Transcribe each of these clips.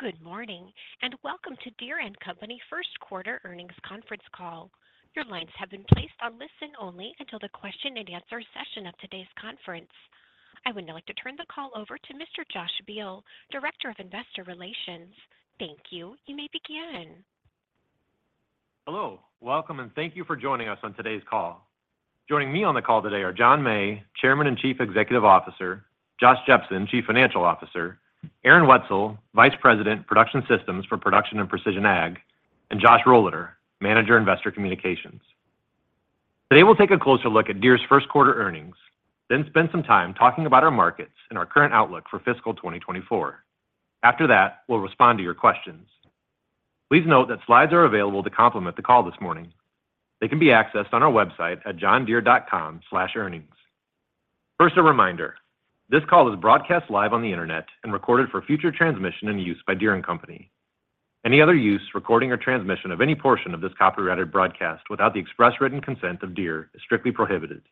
Good morning, and welcome to Deere & Company first quarter earnings conference call. Your lines have been placed on listen-only until the question-and-answer session of today's conference. I would now like to turn the call over to Mr. Josh Beal, Director of Investor Relations. Thank you. You may begin. Hello. Welcome, and thank you for joining us on today's call. Joining me on the call today are John May, Chairman and Chief Executive Officer, Josh Jepsen, Chief Financial Officer, Aaron Wetzel, Vice President, Production Systems for Production and Precision Ag, and Josh Rohleder, Manager, Investor Communications. Today, we'll take a closer look at Deere's first quarter earnings, then spend some time talking about our markets and our current outlook for fiscal 2024. After that, we'll respond to your questions. Please note that slides are available to complement the call this morning. They can be accessed on our website at johndeere.com/earnings. First, a reminder, this call is broadcast live on the internet and recorded for future transmission and use by Deere & Company. Any other use, recording, or transmission of any portion of this copyrighted broadcast without the express written consent of Deere is strictly prohibited.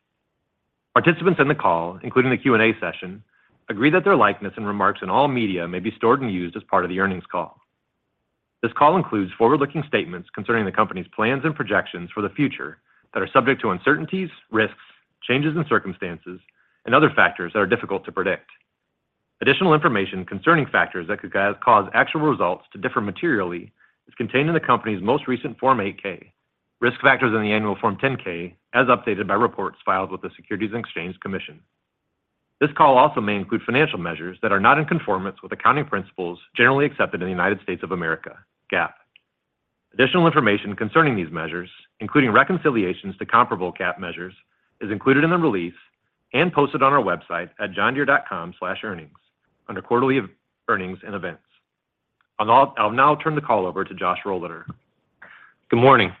Participants in the call, including the Q&A session, agree that their likeness and remarks in all media may be stored and used as part of the earnings call. This call includes forward-looking statements concerning the company's plans and projections for the future that are subject to uncertainties, risks, changes in circumstances, and other factors that are difficult to predict. Additional information concerning factors that could cause actual results to differ materially is contained in the company's most recent Form 8-K, Risk Factors in the annual Form 10-K, as updated by reports filed with the Securities and Exchange Commission. This call also may include financial measures that are not in conformance with accounting principles generally accepted in the United States of America (GAAP). Additional information concerning these measures, including reconciliations to comparable GAAP measures, is included in the release and posted on our website at JohnDeere.com/earnings under Quarterly Earnings and Events. I'll now turn the call over to Josh Rohleder. Good morning.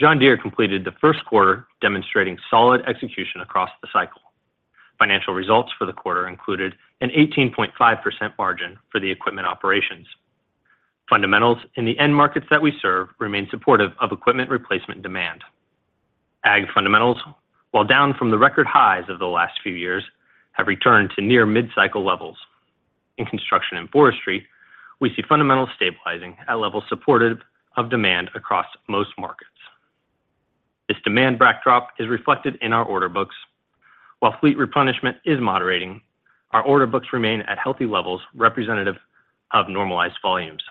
John Deere completed the first quarter demonstrating solid execution across the cycle. Financial results for the quarter included an 18.5% margin for the equipment operations. Fundamentals in the end markets that we serve remain supportive of equipment replacement demand. Ag fundamentals, while down from the record highs of the last few years, have returned to near mid-cycle levels. In Construction and Forestry, we see fundamentals stabilizing at levels supportive of demand across most markets. This demand backdrop is reflected in our order books. While fleet replenishment is moderating, our order books remain at healthy levels, representative of normalized volumes.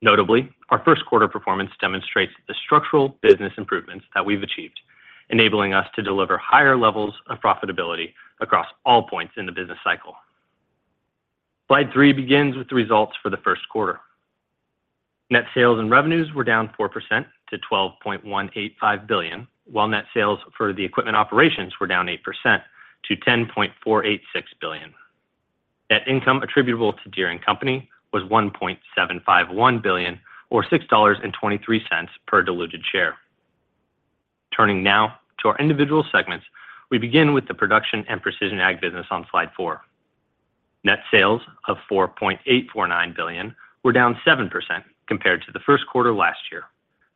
Notably, our first quarter performance demonstrates the structural business improvements that we've achieved, enabling us to deliver higher levels of profitability across all points in the business cycle. Slide three begins with the results for the first quarter. Net sales and revenues were down 4% to $12.185 billion, while net sales for the equipment operations were down 8% to $10.486 billion. Net income attributable to Deere & Company was $1.751 billion, or $6.23 per diluted share. Turning now to our individual segments, we begin with the Production and Precision Ag business on Slide four. Net sales of $4.849 billion were down 7% compared to the first quarter last year,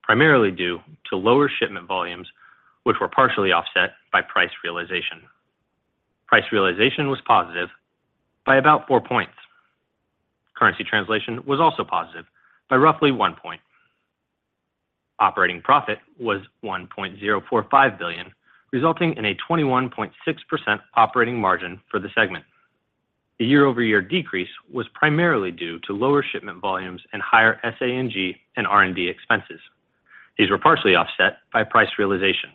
primarily due to lower shipment volumes, which were partially offset by price realization. Price realization was positive by about 4 points. Currency translation was also positive by roughly 1 point. Operating profit was $1.045 billion, resulting in a 21.6% operating margin for the segment. The year-over-year decrease was primarily due to lower shipment volumes and higher SA&G and R&D expenses. These were partially offset by price realization.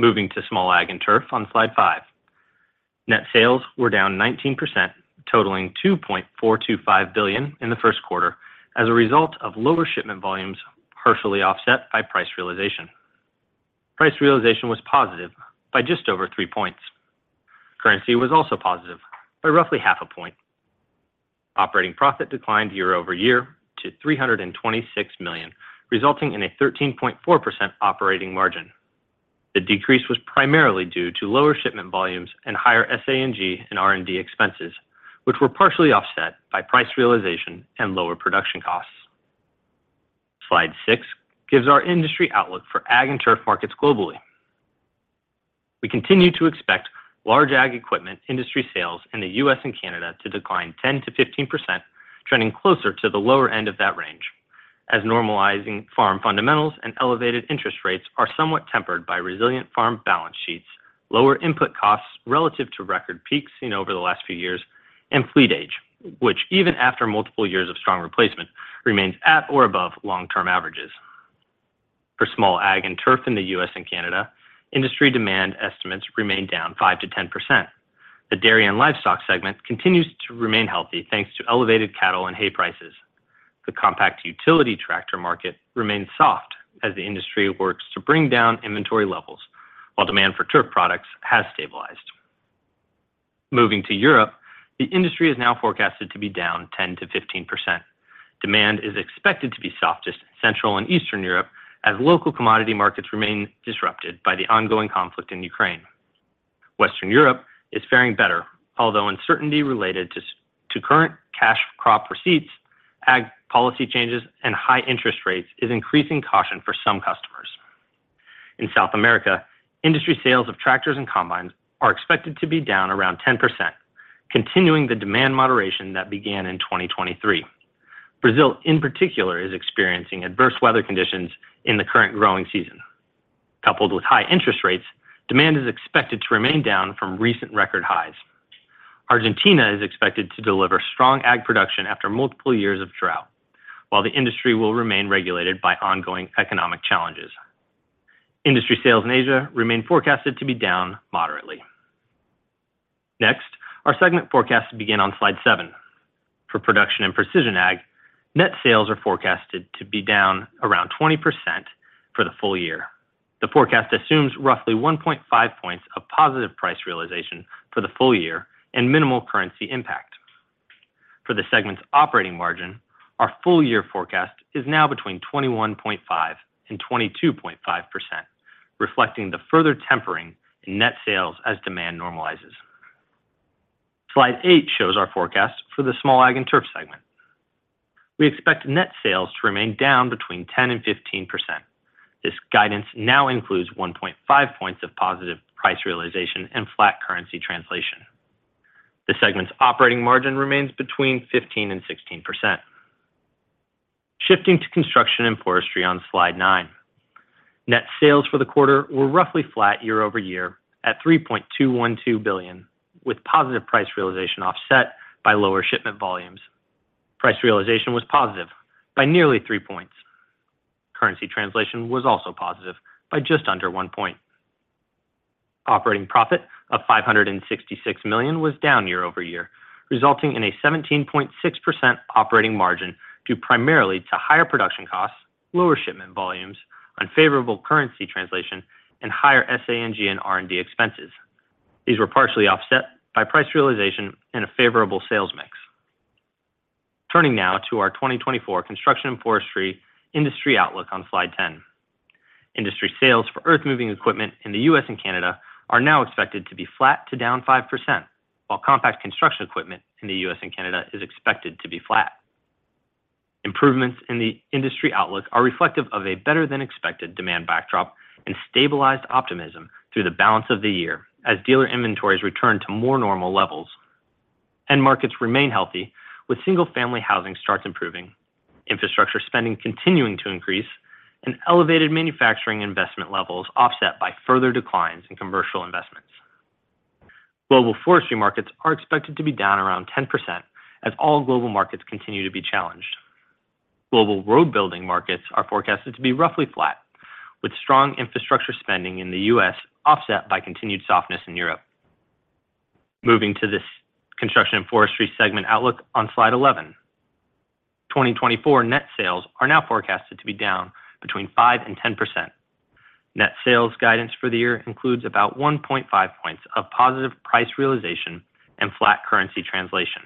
Moving to Small Ag and Turf on Slide 5. Net sales were down 19%, totaling $2.425 billion in the first quarter as a result of lower shipment volumes, partially offset by price realization. Price realization was positive by just over 3 points. Currency was also positive by roughly half a point. Operating profit declined year-over-year to $326 million, resulting in a 13.4% operating margin. The decrease was primarily due to lower shipment volumes and higher SA&G and R&D expenses, which were partially offset by price realization and lower production costs. Slide 6 gives our industry outlook for ag and turf markets globally. We continue to expect large ag equipment industry sales in the U.S. and Canada to decline 10%-15%, trending closer to the lower end of that range, as normalizing farm fundamentals and elevated interest rates are somewhat tempered by resilient farm balance sheets, lower input costs relative to record peaks seen over the last few years, and fleet age, which even after multiple years of strong replacement, remains at or above long-term averages. For small ag and turf in the U.S. and Canada, industry demand estimates remain down 5%-10%. The dairy and livestock segment continues to remain healthy, thanks to elevated cattle and hay prices. The compact utility tractor market remains soft as the industry works to bring down inventory levels, while demand for turf products has stabilized. Moving to Europe, the industry is now forecasted to be down 10%-15%. Demand is expected to be softest in Central and Eastern Europe, as local commodity markets remain disrupted by the ongoing conflict in Ukraine. Western Europe is faring better, although uncertainty related to current cash crop receipts, ag policy changes, and high interest rates is increasing caution for some customers... In South America, industry sales of tractors and combines are expected to be down around 10%, continuing the demand moderation that began in 2023. Brazil, in particular, is experiencing adverse weather conditions in the current growing season. Coupled with high interest rates, demand is expected to remain down from recent record highs. Argentina is expected to deliver strong ag production after multiple years of drought, while the industry will remain regulated by ongoing economic challenges. Industry sales in Asia remain forecasted to be down moderately. Next, our segment forecasts begin on slide 7. For production and precision ag, net sales are forecasted to be down around 20% for the full year. The forecast assumes roughly 1.5 points of positive price realization for the full year and minimal currency impact. For the segment's operating margin, our full year forecast is now between 21.5% and 22.5%, reflecting the further tempering in net sales as demand normalizes. Slide 8 shows our forecast for the small ag and turf segment. We expect net sales to remain down between 10% and 15%. This guidance now includes 1.5 points of positive price realization and flat currency translation. The segment's operating margin remains between 15%-16%. Shifting to construction and forestry on slide nine. Net sales for the quarter were roughly flat year-over-year at $3.212 billion, with positive price realization offset by lower shipment volumes. Price realization was positive by nearly 3 points. Currency translation was also positive by just under 1 point. Operating profit of $566 million was down year-over-year, resulting in a 17.6% operating margin, due primarily to higher production costs, lower shipment volumes, unfavorable currency translation, and higher SG&A R&D expenses. These were partially offset by price realization and a favorable sales mix. Turning now to our 2024 construction and forestry industry outlook on slide ten. Industry sales for earthmoving equipment in the U.S. and Canada are now expected to be flat to down 5%, while compact construction equipment in the U.S. and Canada is expected to be flat. Improvements in the industry outlook are reflective of a better-than-expected demand backdrop and stabilized optimism through the balance of the year as dealer inventories return to more normal levels. End markets remain healthy, with single-family housing starts improving, infrastructure spending continuing to increase, and elevated manufacturing investment levels offset by further declines in commercial investments. Global forestry markets are expected to be down around 10% as all global markets continue to be challenged. Global road building markets are forecasted to be roughly flat, with strong infrastructure spending in the U.S. offset by continued softness in Europe. Moving to this construction and forestry segment outlook on slide 11. 2024 net sales are now forecasted to be down 5%-10%. Net sales guidance for the year includes about 1.5 points of positive price realization and flat currency translation.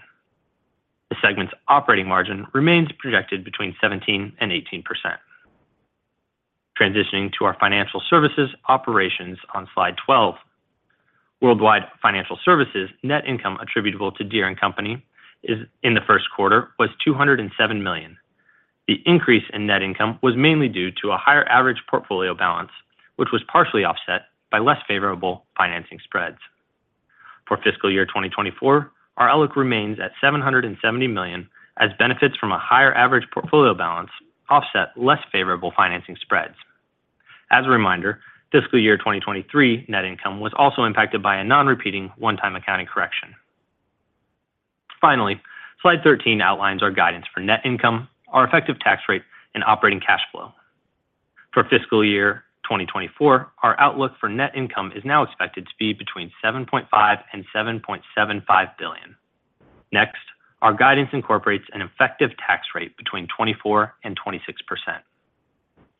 The segment's operating margin remains projected between 17%-18%. Transitioning to our financial services operations on slide 12. Worldwide financial services net income attributable to Deere & Company is, in the first quarter, was $207 million. The increase in net income was mainly due to a higher average portfolio balance, which was partially offset by less favorable financing spreads. For fiscal year 2024, our outlook remains at $770 million as benefits from a higher average portfolio balance offset less favorable financing spreads. As a reminder, fiscal year 2023 net income was also impacted by a non-repeating one-time accounting correction. Finally, slide 13 outlines our guidance for net income, our effective tax rate, and operating cash flow. For fiscal year 2024, our outlook for net income is now expected to be between $7.5 billion and $7.75 billion. Next, our guidance incorporates an effective tax rate between 24% and 26%.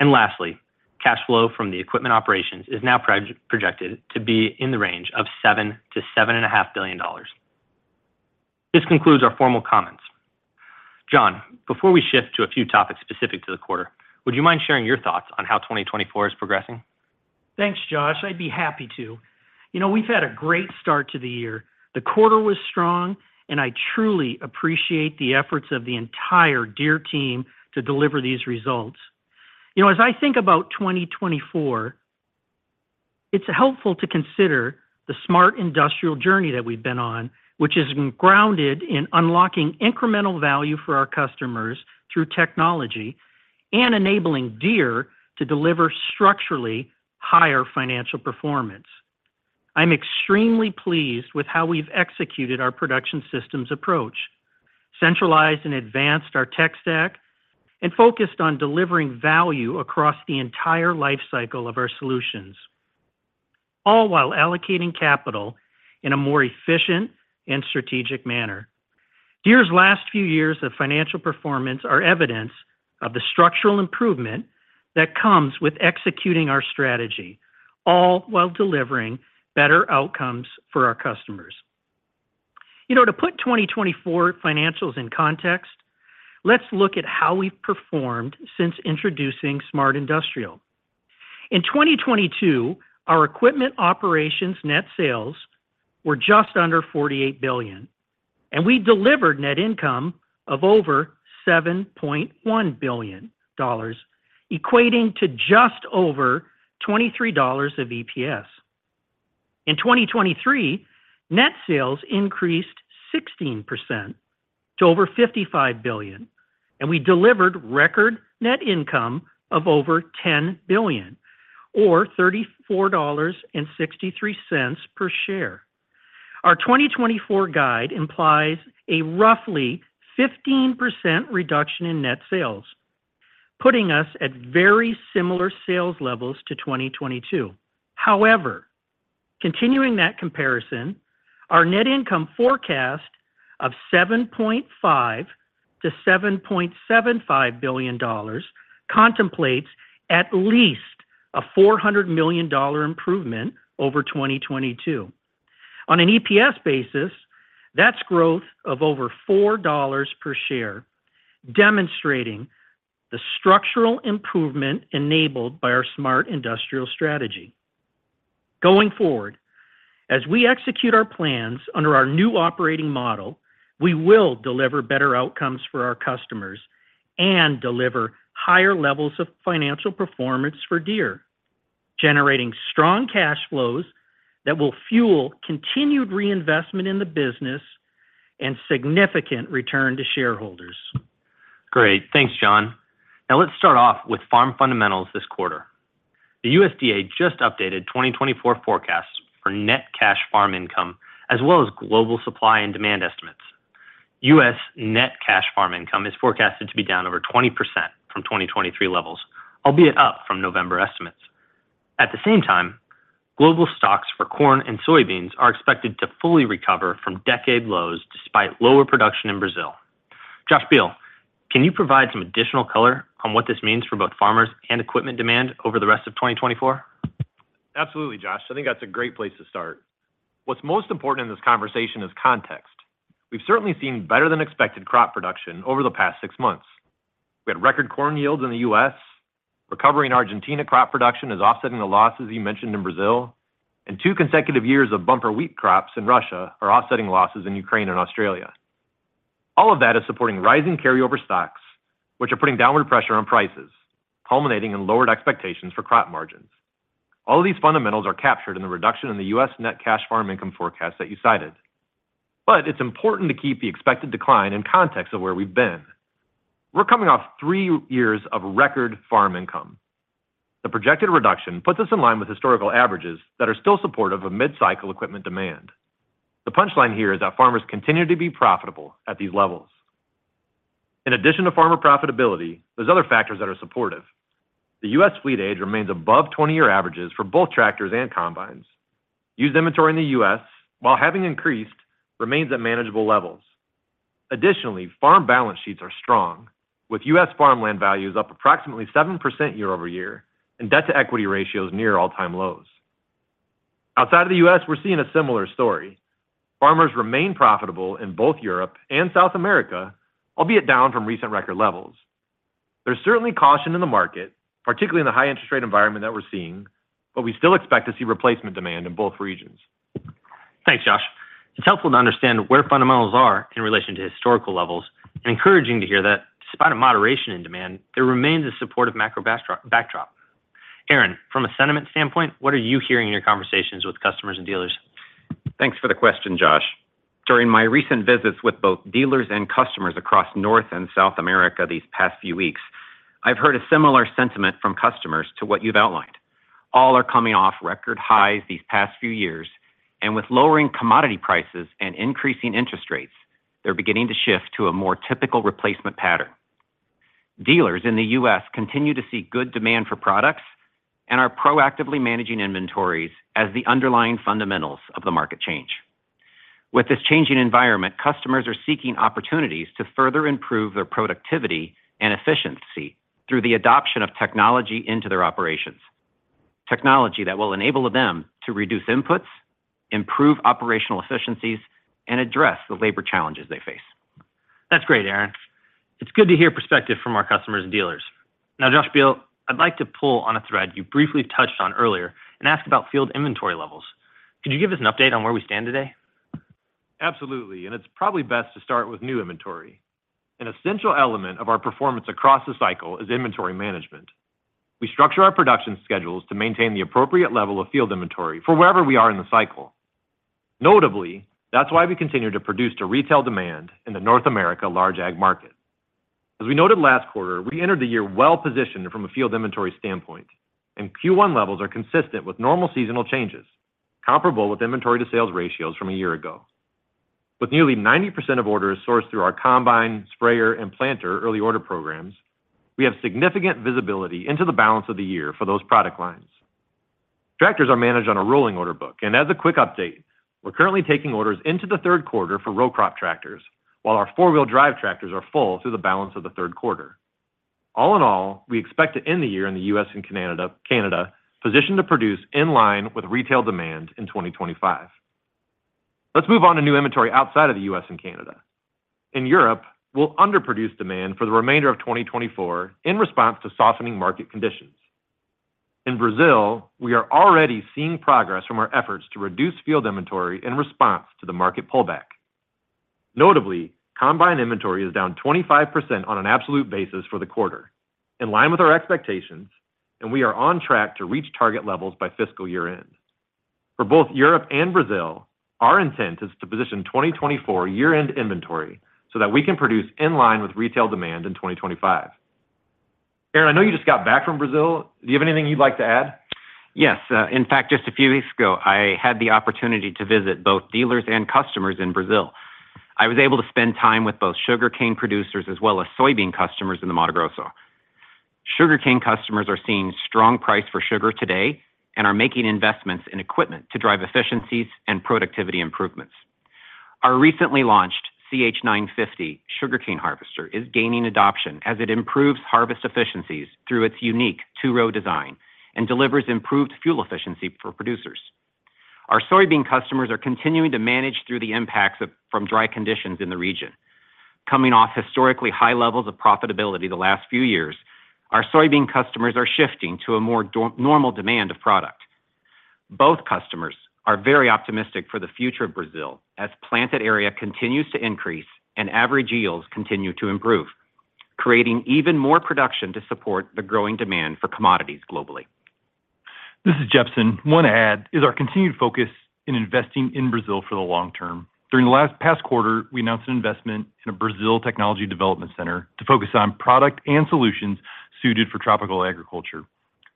Lastly, cash flow from the equipment operations is now projected to be in the range of $7 billion-$7.5 billion. This concludes our formal comments. John, before we shift to a few topics specific to the quarter, would you mind sharing your thoughts on how 2024 is progressing? Thanks, Josh. I'd be happy to. You know, we've had a great start to the year. The quarter was strong, and I truly appreciate the efforts of the entire Deere team to deliver these results. You know, as I think about 2024, it's helpful to consider the smart industrial journey that we've been on, which has been grounded in unlocking incremental value for our customers through technology and enabling Deere to deliver structurally higher financial performance. I'm extremely pleased with how we've executed our production systems approach, centralized and advanced our tech stack, and focused on delivering value across the entire life cycle of our solutions, all while allocating capital in a more efficient and strategic manner. Deere's last few years of financial performance are evidence of the structural improvement that comes with executing our strategy, all while delivering better outcomes for our customers. You know, to put 2024 financials in context, let's look at how we've performed since introducing Smart Industrial. In 2022, our equipment operations net sales were just under $48 billion, and we delivered net income of over $7.1 billion, equating to just over $23 of EPS. In 2023, net sales increased 16% to over $55 billion, and we delivered record net income of over $10 billion, or $34.63 per share. Our 2024 guide implies a roughly 15% reduction in net sales, putting us at very similar sales levels to 2022. However, continuing that comparison, our net income forecast of $7.5 billion-$7.75 billion contemplates at least a $400 million improvement over 2022. On an EPS basis, that's growth of over $4 per share, demonstrating the structural improvement enabled by our Smart Industrial strategy. Going forward, as we execute our plans under our new operating model, we will deliver better outcomes for our customers and deliver higher levels of financial performance for Deere, generating strong cash flows that will fuel continued reinvestment in the business and significant return to shareholders. Great. Thanks, John. Now, let's start off with farm fundamentals this quarter. The USDA just updated 2024 forecasts for net cash farm income, as well as global supply and demand estimates. US net cash farm income is forecasted to be down over 20% from 2023 levels, albeit up from November estimates. At the same time, global stocks for corn and soybeans are expected to fully recover from decade lows, despite lower production in Brazil. Josh Beal, can you provide some additional color on what this means for both farmers and equipment demand over the rest of 2024? Absolutely, Josh. I think that's a great place to start. What's most important in this conversation is context. We've certainly seen better-than-expected crop production over the past six months. We had record corn yields in the U.S., recovering Argentina crop production is offsetting the losses you mentioned in Brazil, and two consecutive years of bumper wheat crops in Russia are offsetting losses in Ukraine and Australia. All of that is supporting rising carryover stocks, which are putting downward pressure on prices, culminating in lowered expectations for crop margins. All of these fundamentals are captured in the reduction in the U.S. Net Cash Farm Income forecast that you cited. But it's important to keep the expected decline in context of where we've been. We're coming off three years of record farm income. The projected reduction puts us in line with historical averages that are still supportive of mid-cycle equipment demand. The punchline here is that farmers continue to be profitable at these levels. In addition to farmer profitability, there's other factors that are supportive. The U.S. fleet age remains above 20-year averages for both tractors and combines. Used inventory in the U.S., while having increased, remains at manageable levels. Additionally, farm balance sheets are strong, with U.S. farmland values up approximately 7% year-over-year, and debt-to-equity ratio is near all-time lows. Outside of the U.S., we're seeing a similar story. Farmers remain profitable in both Europe and South America, albeit down from recent record levels. There's certainly caution in the market, particularly in the high interest rate environment that we're seeing, but we still expect to see replacement demand in both regions. Thanks, Josh. It's helpful to understand where fundamentals are in relation to historical levels, and encouraging to hear that despite a moderation in demand, there remains a supportive macro backdrop. Aaron, from a sentiment standpoint, what are you hearing in your conversations with customers and dealers? Thanks for the question, Josh. During my recent visits with both dealers and customers across North and South America these past few weeks, I've heard a similar sentiment from customers to what you've outlined. All are coming off record highs these past few years, and with lowering commodity prices and increasing interest rates, they're beginning to shift to a more typical replacement pattern. Dealers in the U.S. continue to see good demand for products and are proactively managing inventories as the underlying fundamentals of the market change. With this changing environment, customers are seeking opportunities to further improve their productivity and efficiency through the adoption of technology into their operations. Technology that will enable them to reduce inputs, improve operational efficiencies, and address the labor challenges they face. That's great, Aaron. It's good to hear perspective from our customers and dealers. Now, Josh Beal, I'd like to pull on a thread you briefly touched on earlier and ask about field inventory levels. Could you give us an update on where we stand today? Absolutely, and it's probably best to start with new inventory. An essential element of our performance across the cycle is inventory management. We structure our production schedules to maintain the appropriate level of field inventory for wherever we are in the cycle. Notably, that's why we continue to produce to retail demand in the North America large ag market. As we noted last quarter, we entered the year well-positioned from a field inventory standpoint, and Q1 levels are consistent with normal seasonal changes, comparable with inventory-to-sales ratios from a year ago. With nearly 90% of orders sourced through our combine, sprayer, and planter early order programs, we have significant visibility into the balance of the year for those product lines. Tractors are managed on a rolling order book, and as a quick update, we're currently taking orders into the third quarter for row crop tractors, while our four-wheel drive tractors are full through the balance of the third quarter. All in all, we expect to end the year in the U.S. and Canada, positioned to produce in line with retail demand in 2025. Let's move on to new inventory outside of the U.S. and Canada. In Europe, we'll underproduce demand for the remainder of 2024 in response to softening market conditions.... In Brazil, we are already seeing progress from our efforts to reduce field inventory in response to the market pullback. Notably, combine inventory is down 25% on an absolute basis for the quarter, in line with our expectations, and we are on track to reach target levels by fiscal year-end. For both Europe and Brazil, our intent is to position 2024 year-end inventory so that we can produce in line with retail demand in 2025. Aaron, I know you just got back from Brazil. Do you have anything you'd like to add? Yes. In fact, just a few weeks ago, I had the opportunity to visit both dealers and customers in Brazil. I was able to spend time with both sugarcane producers as well as soybean customers in the Mato Grosso. Sugarcane customers are seeing strong price for sugar today and are making investments in equipment to drive efficiencies and productivity improvements. Our recently launched CH950 sugarcane harvester is gaining adoption as it improves harvest efficiencies through its unique two-row design and delivers improved fuel efficiency for producers. Our soybean customers are continuing to manage through the impacts from dry conditions in the region. Coming off historically high levels of profitability the last few years, our soybean customers are shifting to a more normal demand of product. Both customers are very optimistic for the future of Brazil as planted area continues to increase and average yields continue to improve, creating even more production to support the growing demand for commodities globally. This is Jepsen. One add is our continued focus in investing in Brazil for the long term. During the past quarter, we announced an investment in a Brazil technology development center to focus on product and solutions suited for tropical agriculture.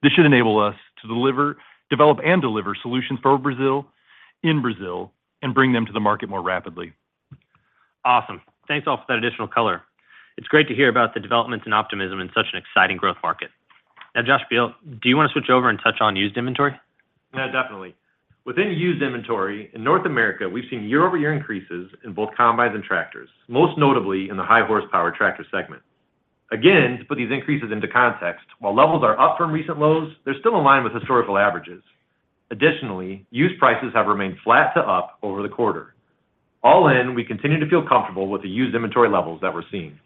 This should enable us to develop and deliver solutions for Brazil, in Brazil, and bring them to the market more rapidly. Awesome. Thanks all for that additional color. It's great to hear about the developments and optimism in such an exciting growth market. Now, Josh Beal, do you want to switch over and touch on used inventory? Yeah, definitely. Within used inventory, in North America, we've seen year-over-year increases in both combines and tractors, most notably in the high horsepower tractor segment. Again, to put these increases into context, while levels are up from recent lows, they're still in line with historical averages. Additionally, used prices have remained flat to up over the quarter. All in, we continue to feel comfortable with the used inventory levels that we're seeing.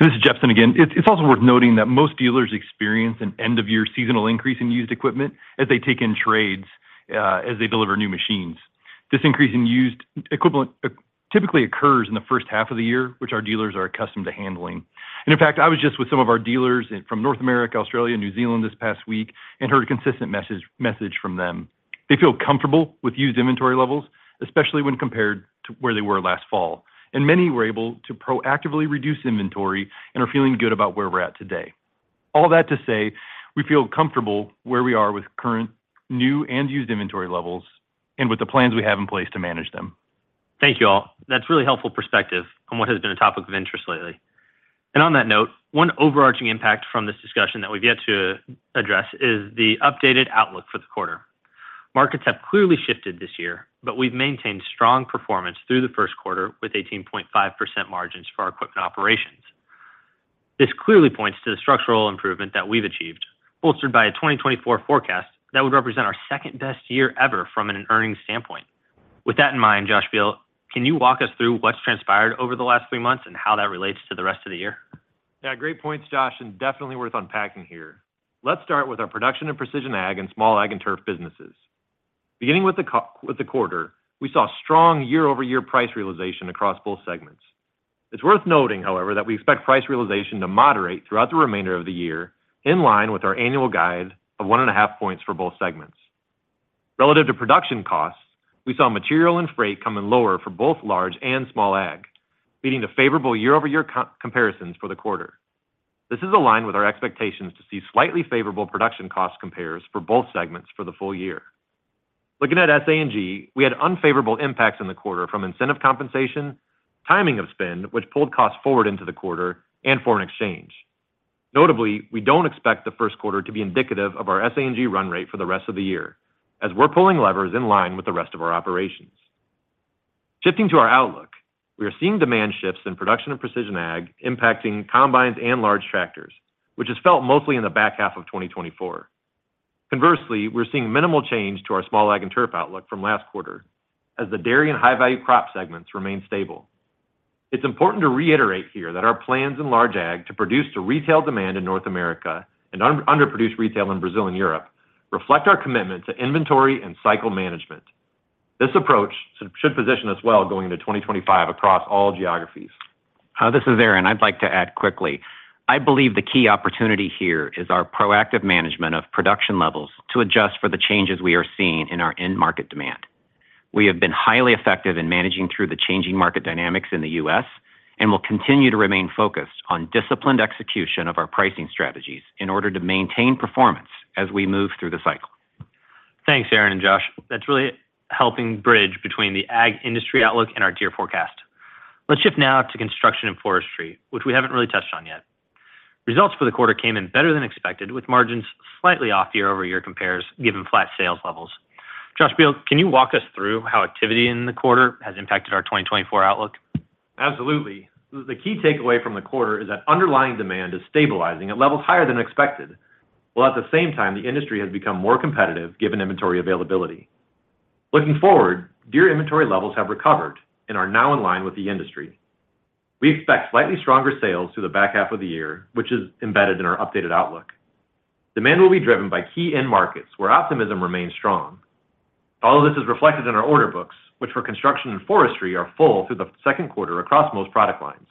This is Jepsen again. It's also worth noting that most dealers experience an end-of-year seasonal increase in used equipment as they take in trades as they deliver new machines. This increase in used equivalent typically occurs in the first half of the year, which our dealers are accustomed to handling. And in fact, I was just with some of our dealers from North America, Australia, and New Zealand this past week and heard a consistent message from them. They feel comfortable with used inventory levels, especially when compared to where they were last fall. And many were able to proactively reduce inventory and are feeling good about where we're at today. All that to say, we feel comfortable where we are with current new and used inventory levels and with the plans we have in place to manage them. Thank you, all. That's really helpful perspective on what has been a topic of interest lately. On that note, one overarching impact from this discussion that we've yet to address is the updated outlook for the quarter. Markets have clearly shifted this year, but we've maintained strong performance through the first quarter with 18.5% margins for our equipment operations. This clearly points to the structural improvement that we've achieved, bolstered by a 2024 forecast that would represent our second-best year ever from an earnings standpoint. With that in mind, Josh Beal, can you walk us through what's transpired over the last three months and how that relates to the rest of the year? Yeah, great points, Josh, and definitely worth unpacking here. Let's start with our production and precision ag and small ag and turf businesses. Beginning with the quarter, we saw strong year-over-year price realization across both segments. It's worth noting, however, that we expect price realization to moderate throughout the remainder of the year, in line with our annual guide of 1.5 points for both segments. Relative to production costs, we saw material and freight come in lower for both large and small ag, leading to favorable year-over-year comparisons for the quarter. This is aligned with our expectations to see slightly favorable production cost compares for both segments for the full year. Looking at SANG, we had unfavorable impacts in the quarter from incentive compensation, timing of spend, which pulled costs forward into the quarter, and foreign exchange. Notably, we don't expect the first quarter to be indicative of our SG&A run rate for the rest of the year, as we're pulling levers in line with the rest of our operations. Shifting to our outlook, we are seeing demand shifts in production and Precision Ag impacting combines and large tractors, which is felt mostly in the back half of 2024. Conversely, we're seeing minimal change to our Small Ag and Turf outlook from last quarter, as the dairy and high-value crop segments remain stable. It's important to reiterate here that our plans in large ag to produce to retail demand in North America and underproduce retail in Brazil and Europe reflect our commitment to inventory and cycle management. This approach should position us well going into 2025 across all geographies. This is Aaron. I'd like to add quickly. I believe the key opportunity here is our proactive management of production levels to adjust for the changes we are seeing in our end market demand. We have been highly effective in managing through the changing market dynamics in the U.S., and will continue to remain focused on disciplined execution of our pricing strategies in order to maintain performance as we move through the cycle. Thanks, Aaron and Josh. That's really helping bridge between the ag industry outlook and our tier forecast. Let's shift now to construction and forestry, which we haven't really touched on yet. Results for the quarter came in better than expected, with margins slightly off year-over-year compares, given flat sales levels. Josh Beal, can you walk us through how activity in the quarter has impacted our 2024 outlook? Absolutely. The key takeaway from the quarter is that underlying demand is stabilizing at levels higher than expected, while at the same time, the industry has become more competitive, given inventory availability. Looking forward, Deere inventory levels have recovered and are now in line with the industry. We expect slightly stronger sales through the back half of the year, which is embedded in our updated outlook. Demand will be driven by key end markets where optimism remains strong. All of this is reflected in our order books, which for construction and forestry are full through the second quarter across most product lines,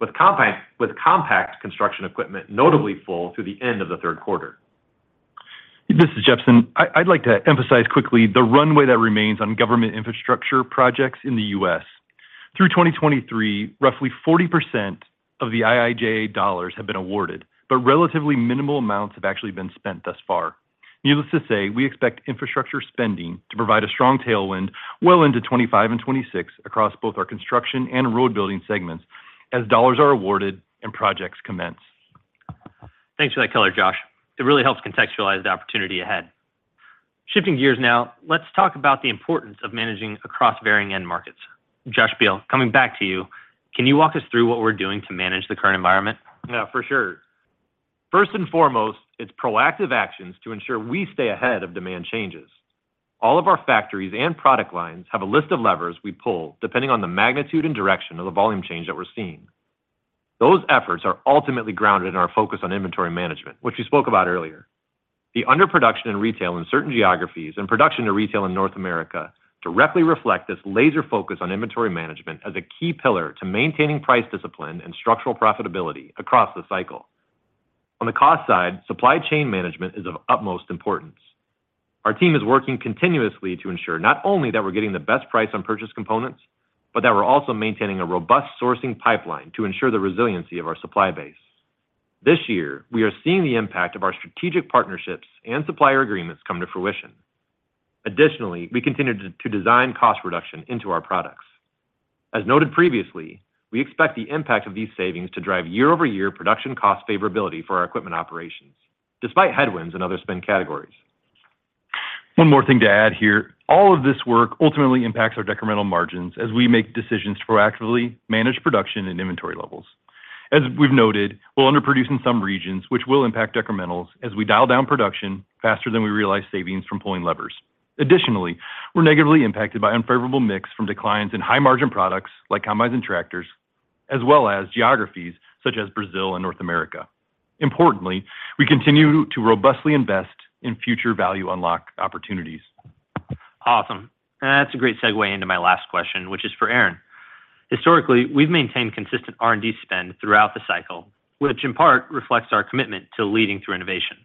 with compact construction equipment notably full through the end of the third quarter. This is Jepsen. I'd like to emphasize quickly the runway that remains on government infrastructure projects in the U.S. Through 2023, roughly 40% of the IIJA dollars have been awarded, but relatively minimal amounts have actually been spent thus far. Needless to say, we expect infrastructure spending to provide a strong tailwind well into 2025 and 2026 across both our construction and road building segments as dollars are awarded and projects commence. Thanks for that color, Josh. It really helps contextualize the opportunity ahead. Shifting gears now, let's talk about the importance of managing across varying end markets. Josh Beal, coming back to you, can you walk us through what we're doing to manage the current environment? Yeah, for sure. First and foremost, it's proactive actions to ensure we stay ahead of demand changes. All of our factories and product lines have a list of levers we pull, depending on the magnitude and direction of the volume change that we're seeing. Those efforts are ultimately grounded in our focus on inventory management, which we spoke about earlier. The underproduction in retail in certain geographies and production to retail in North America directly reflect this laser focus on inventory management as a key pillar to maintaining price discipline and structural profitability across the cycle. On the cost side, supply chain management is of utmost importance. Our team is working continuously to ensure not only that we're getting the best price on purchase components, but that we're also maintaining a robust sourcing pipeline to ensure the resiliency of our supply base. This year, we are seeing the impact of our strategic partnerships and supplier agreements come to fruition. Additionally, we continue to design cost reduction into our products. As noted previously, we expect the impact of these savings to drive year-over-year production cost favorability for our equipment operations, despite headwinds and other spend categories. One more thing to add here. All of this work ultimately impacts our decremental margins as we make decisions to proactively manage production and inventory levels. As we've noted, we'll underproduce in some regions, which will impact decrementals as we dial down production faster than we realize savings from pulling levers. Additionally, we're negatively impacted by unfavorable mix from declines in high-margin products like combines and tractors, as well as geographies such as Brazil and North America. Importantly, we continue to robustly invest in future value unlock opportunities. Awesome. That's a great segue into my last question, which is for Aaron. Historically, we've maintained consistent R&D spend throughout the cycle, which in part reflects our commitment to leading through innovation.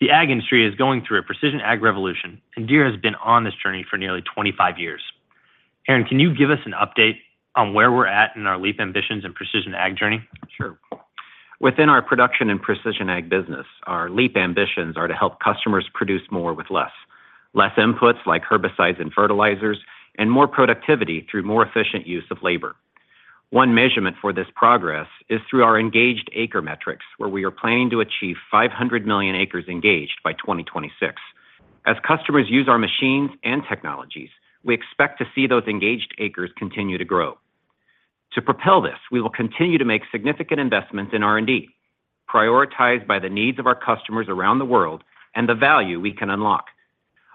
The ag industry is going through a Precision Ag revolution, and Deere has been on this journey for nearly 25 years. Aaron, can you give us an update on where we're at in our Leap Ambitions and Precision Ag journey? Sure. Within our Production and Precision Ag business, our Leap Ambitions are to help customers produce more with less. Less inputs like herbicides and fertilizers, and more productivity through more efficient use of labor. One measurement for this progress is through our Engaged Acres metrics, where we are planning to achieve 500 million acres engaged by 2026. As customers use our machines and technologies, we expect to see those Engaged Acres continue to grow. To propel this, we will continue to make significant investments in R&D, prioritized by the needs of our customers around the world and the value we can unlock.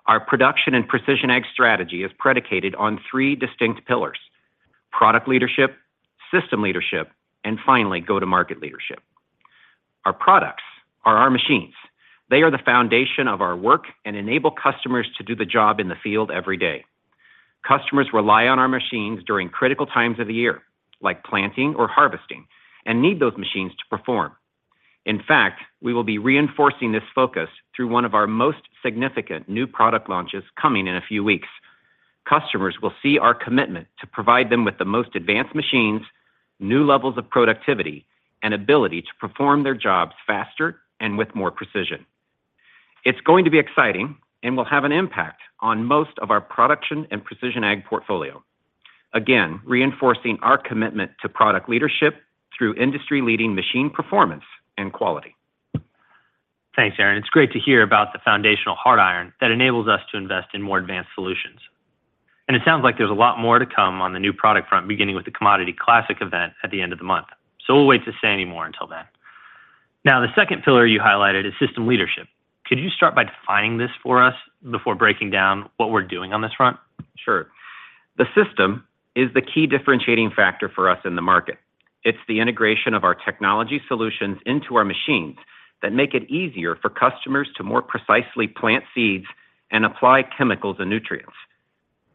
Our Production and Precision Ag strategy is predicated on three distinct pillars: product leadership, system leadership, and finally, go-to-market leadership. Our products are our machines. They are the foundation of our work and enable customers to do the job in the field every day. Customers rely on our machines during critical times of the year, like planting or harvesting, and need those machines to perform. In fact, we will be reinforcing this focus through one of our most significant new product launches coming in a few weeks. Customers will see our commitment to provide them with the most advanced machines, new levels of productivity, and ability to perform their jobs faster and with more precision. It's going to be exciting and will have an impact on most of our production and Precision Ag portfolio. Again, reinforcing our commitment to product leadership through industry-leading machine performance and quality. Thanks, Aaron. It's great to hear about the foundational hard iron that enables us to invest in more advanced solutions. And it sounds like there's a lot more to come on the new product front, beginning with the Commodity Classic event at the end of the month. So we'll wait to say any more until then. Now, the second pillar you highlighted is system leadership. Could you start by defining this for us before breaking down what we're doing on this front? Sure. The system is the key differentiating factor for us in the market. It's the integration of our technology solutions into our machines that make it easier for customers to more precisely plant seeds and apply chemicals and nutrients.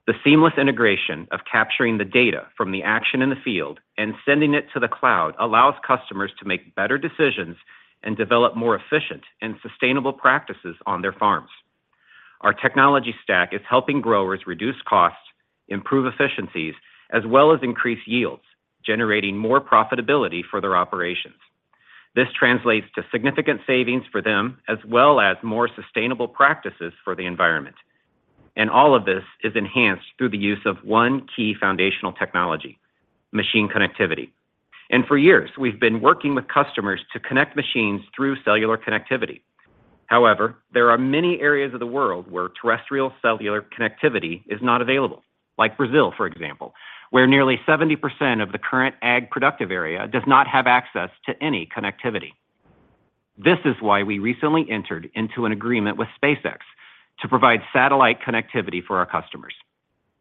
The seamless integration of capturing the data from the action in the field and sending it to the cloud allows customers to make better decisions and develop more efficient and sustainable practices on their farms. Our technology stack is helping growers reduce costs, improve efficiencies, as well as increase yields, generating more profitability for their operations. This translates to significant savings for them, as well as more sustainable practices for the environment. All of this is enhanced through the use of one key foundational technology, machine connectivity. For years, we've been working with customers to connect machines through cellular connectivity. However, there are many areas of the world where terrestrial cellular connectivity is not available, like Brazil, for example, where nearly 70% of the current ag productive area does not have access to any connectivity. This is why we recently entered into an agreement with SpaceX to provide satellite connectivity for our customers.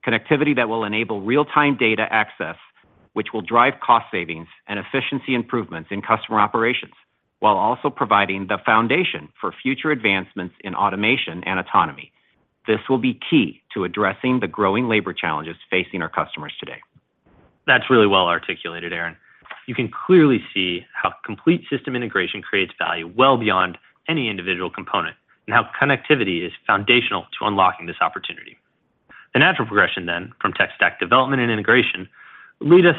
Connectivity that will enable real-time data access, which will drive cost savings and efficiency improvements in customer operations, while also providing the foundation for future advancements in automation and autonomy. This will be key to addressing the growing labor challenges facing our customers today. That's really well articulated, Aaron. You can clearly see how complete system integration creates value well beyond any individual component, and how connectivity is foundational to unlocking this opportunity. The natural progression then, from tech stack development and integration, lead us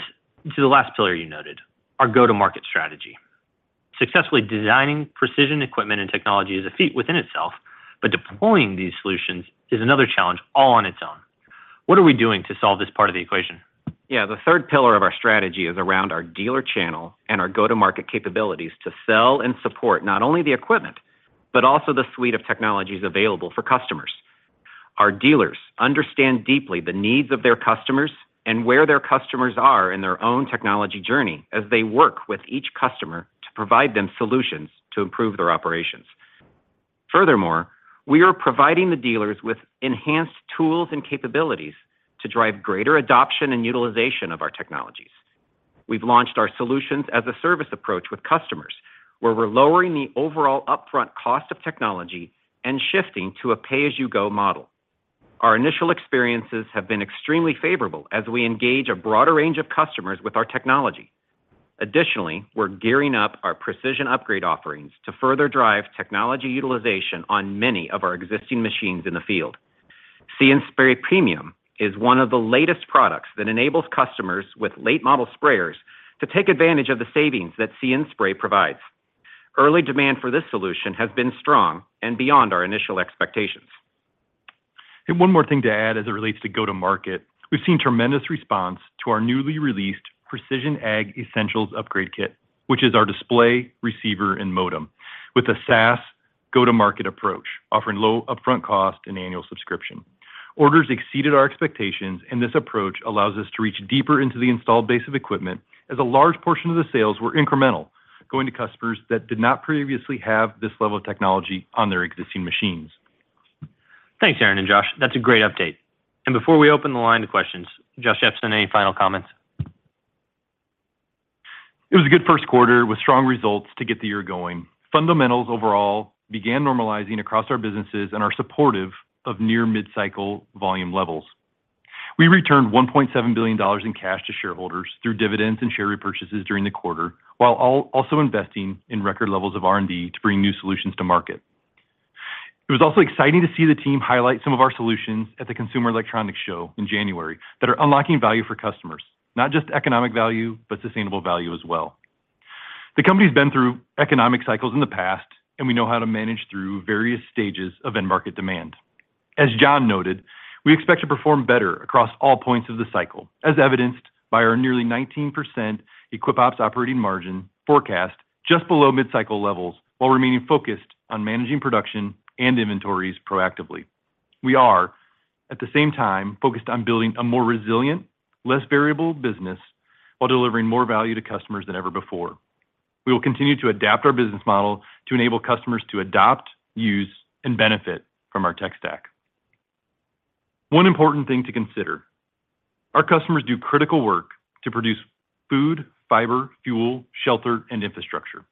to the last pillar you noted, our go-to-market strategy. Successfully designing precision equipment and technology is a feat within itself, but deploying these solutions is another challenge all on its own. What are we doing to solve this part of the equation? Yeah, the third pillar of our strategy is around our dealer channel and our go-to-market capabilities to sell and support not only the equipment, but also the suite of technologies available for customers. Our dealers understand deeply the needs of their customers and where their customers are in their own technology journey as they work with each customer to provide them solutions to improve their operations. Furthermore, we are providing the dealers with enhanced tools and capabilities to drive greater adoption and utilization of our technologies. We've launched our solutions as a service approach with customers, where we're lowering the overall upfront cost of technology and shifting to a pay-as-you-go model. Our initial experiences have been extremely favorable as we engage a broader range of customers with our technology. Additionally, we're gearing up our precision upgrade offerings to further drive technology utilization on many of our existing machines in the field. See & Spray Premium is one of the latest products that enables customers with late model sprayers to take advantage of the savings that See & Spray provides. Early demand for this solution has been strong and beyond our initial expectations. One more thing to add as it relates to go-to-market. We've seen tremendous response to our newly released Precision Ag Essentials upgrade kit, which is our display, receiver, and modem, with a SaaS go-to-market approach, offering low upfront cost and annual subscription. Orders exceeded our expectations, and this approach allows us to reach deeper into the installed base of equipment, as a large portion of the sales were incremental, going to customers that did not previously have this level of technology on their existing machines. Thanks, Aaron and Josh. That's a great update. Before we open the line to questions, Josh Jepsen, any final comments? It was a good first quarter with strong results to get the year going. Fundamentals overall began normalizing across our businesses and are supportive of near mid-cycle volume levels. We returned $1.7 billion in cash to shareholders through dividends and share repurchases during the quarter, while also investing in record levels of R&D to bring new solutions to market. It was also exciting to see the team highlight some of our solutions at the Consumer Electronics Show in January that are unlocking value for customers, not just economic value, but sustainable value as well. The company's been through economic cycles in the past, and we know how to manage through various stages of end market demand. As John noted, we expect to perform better across all points of the cycle, as evidenced by our nearly 19% equip ops operating margin forecast, just below mid-cycle levels, while remaining focused on managing production and inventories proactively. We are, at the same time, focused on building a more resilient, less variable business while delivering more value to customers than ever before. We will continue to adapt our business model to enable customers to adopt, use, and benefit from our tech stack. One important thing to consider: our customers do critical work to produce food, fiber, fuel, shelter, and infrastructure.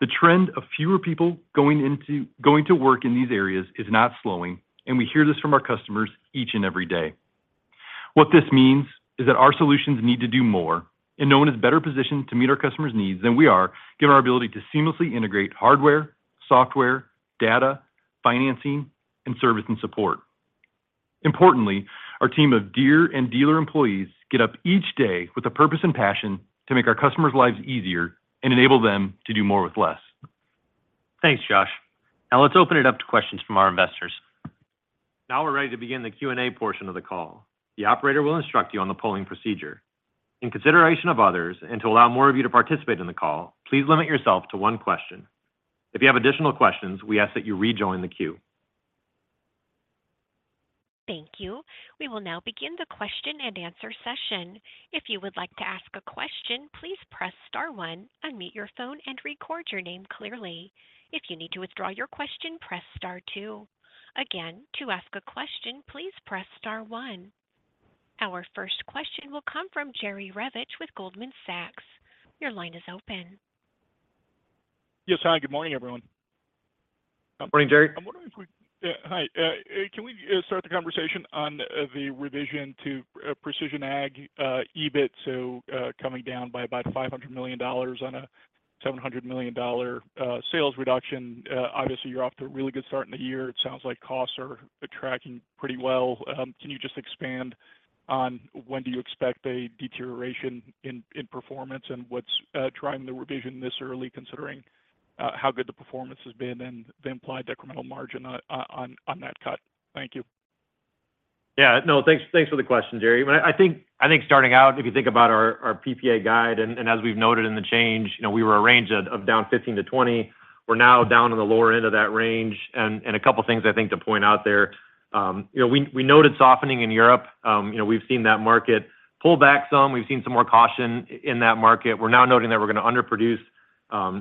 The trend of fewer people going to work in these areas is not slowing, and we hear this from our customers each and every day. What this means is that our solutions need to do more, and no one is better positioned to meet our customers' needs than we are, given our ability to seamlessly integrate hardware, software, data, financing, and service and support. Importantly, our team of Deere and dealer employees get up each day with a purpose and passion to make our customers' lives easier and enable them to do more with less. Thanks, Josh. Now let's open it up to questions from our investors. Now we're ready to begin the Q&A portion of the call. The operator will instruct you on the polling procedure. In consideration of others and to allow more of you to participate in the call, please limit yourself to one question. If you have additional questions, we ask that you rejoin the queue. Thank you. We will now begin the question and answer session. If you would like to ask a question, please press star one, unmute your phone and record your name clearly. If you need to withdraw your question, press star two. Again, to ask a question, please press star one. Our first question will come from Jerry Revich with Goldman Sachs. Your line is open. Yes, hi, good morning, everyone. Good morning, Jerry. I'm wondering if we can start the conversation on the revision to Precision Ag EBIT to coming down by about $500 million on a $700 million sales reduction? Obviously, you're off to a really good start in the year. It sounds like costs are tracking pretty well. Can you just expand on when do you expect a deterioration in performance? And what's driving the revision this early, considering how good the performance has been and the implied incremental margin on that cut? Thank you. Yeah. No, thanks, thanks for the question, Jerry. But I think starting out, if you think about our PPA guide, and as we've noted in the change, you know, we were a range of down 15-20. We're now down in the lower end of that range. And a couple things I think to point out there.... You know, we noted softening in Europe. You know, we've seen that market pull back some. We've seen some more caution in that market. We're now noting that we're gonna underproduce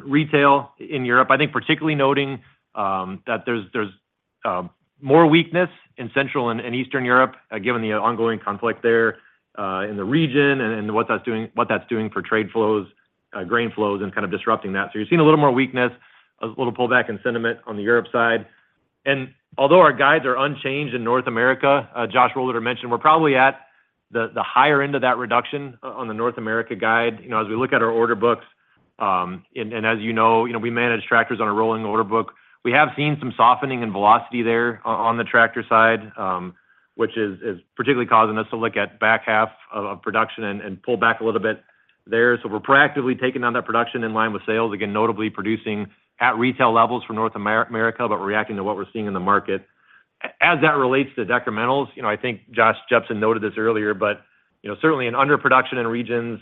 retail in Europe. I think particularly noting that there's more weakness in Central and Eastern Europe, given the ongoing conflict there in the region and what that's doing for trade flows, grain flows, and kind of disrupting that. So you're seeing a little more weakness, a little pullback in sentiment on the Europe side. And although our guides are unchanged in North America, Josh Rohleder mentioned, we're probably at the higher end of that reduction on the North America guide. You know, as we look at our order books, and, and as you know, you know, we manage tractors on a rolling order book. We have seen some softening in velocity there on the tractor side, which is, is particularly causing us to look at back half of, of production and, and pull back a little bit there. So we're proactively taking down that production in line with sales, again, notably producing at retail levels for North America, but we're reacting to what we're seeing in the market. As that relates to decrementals, you know, I think Josh Jepsen noted this earlier, but, you know, certainly an underproduction in regions,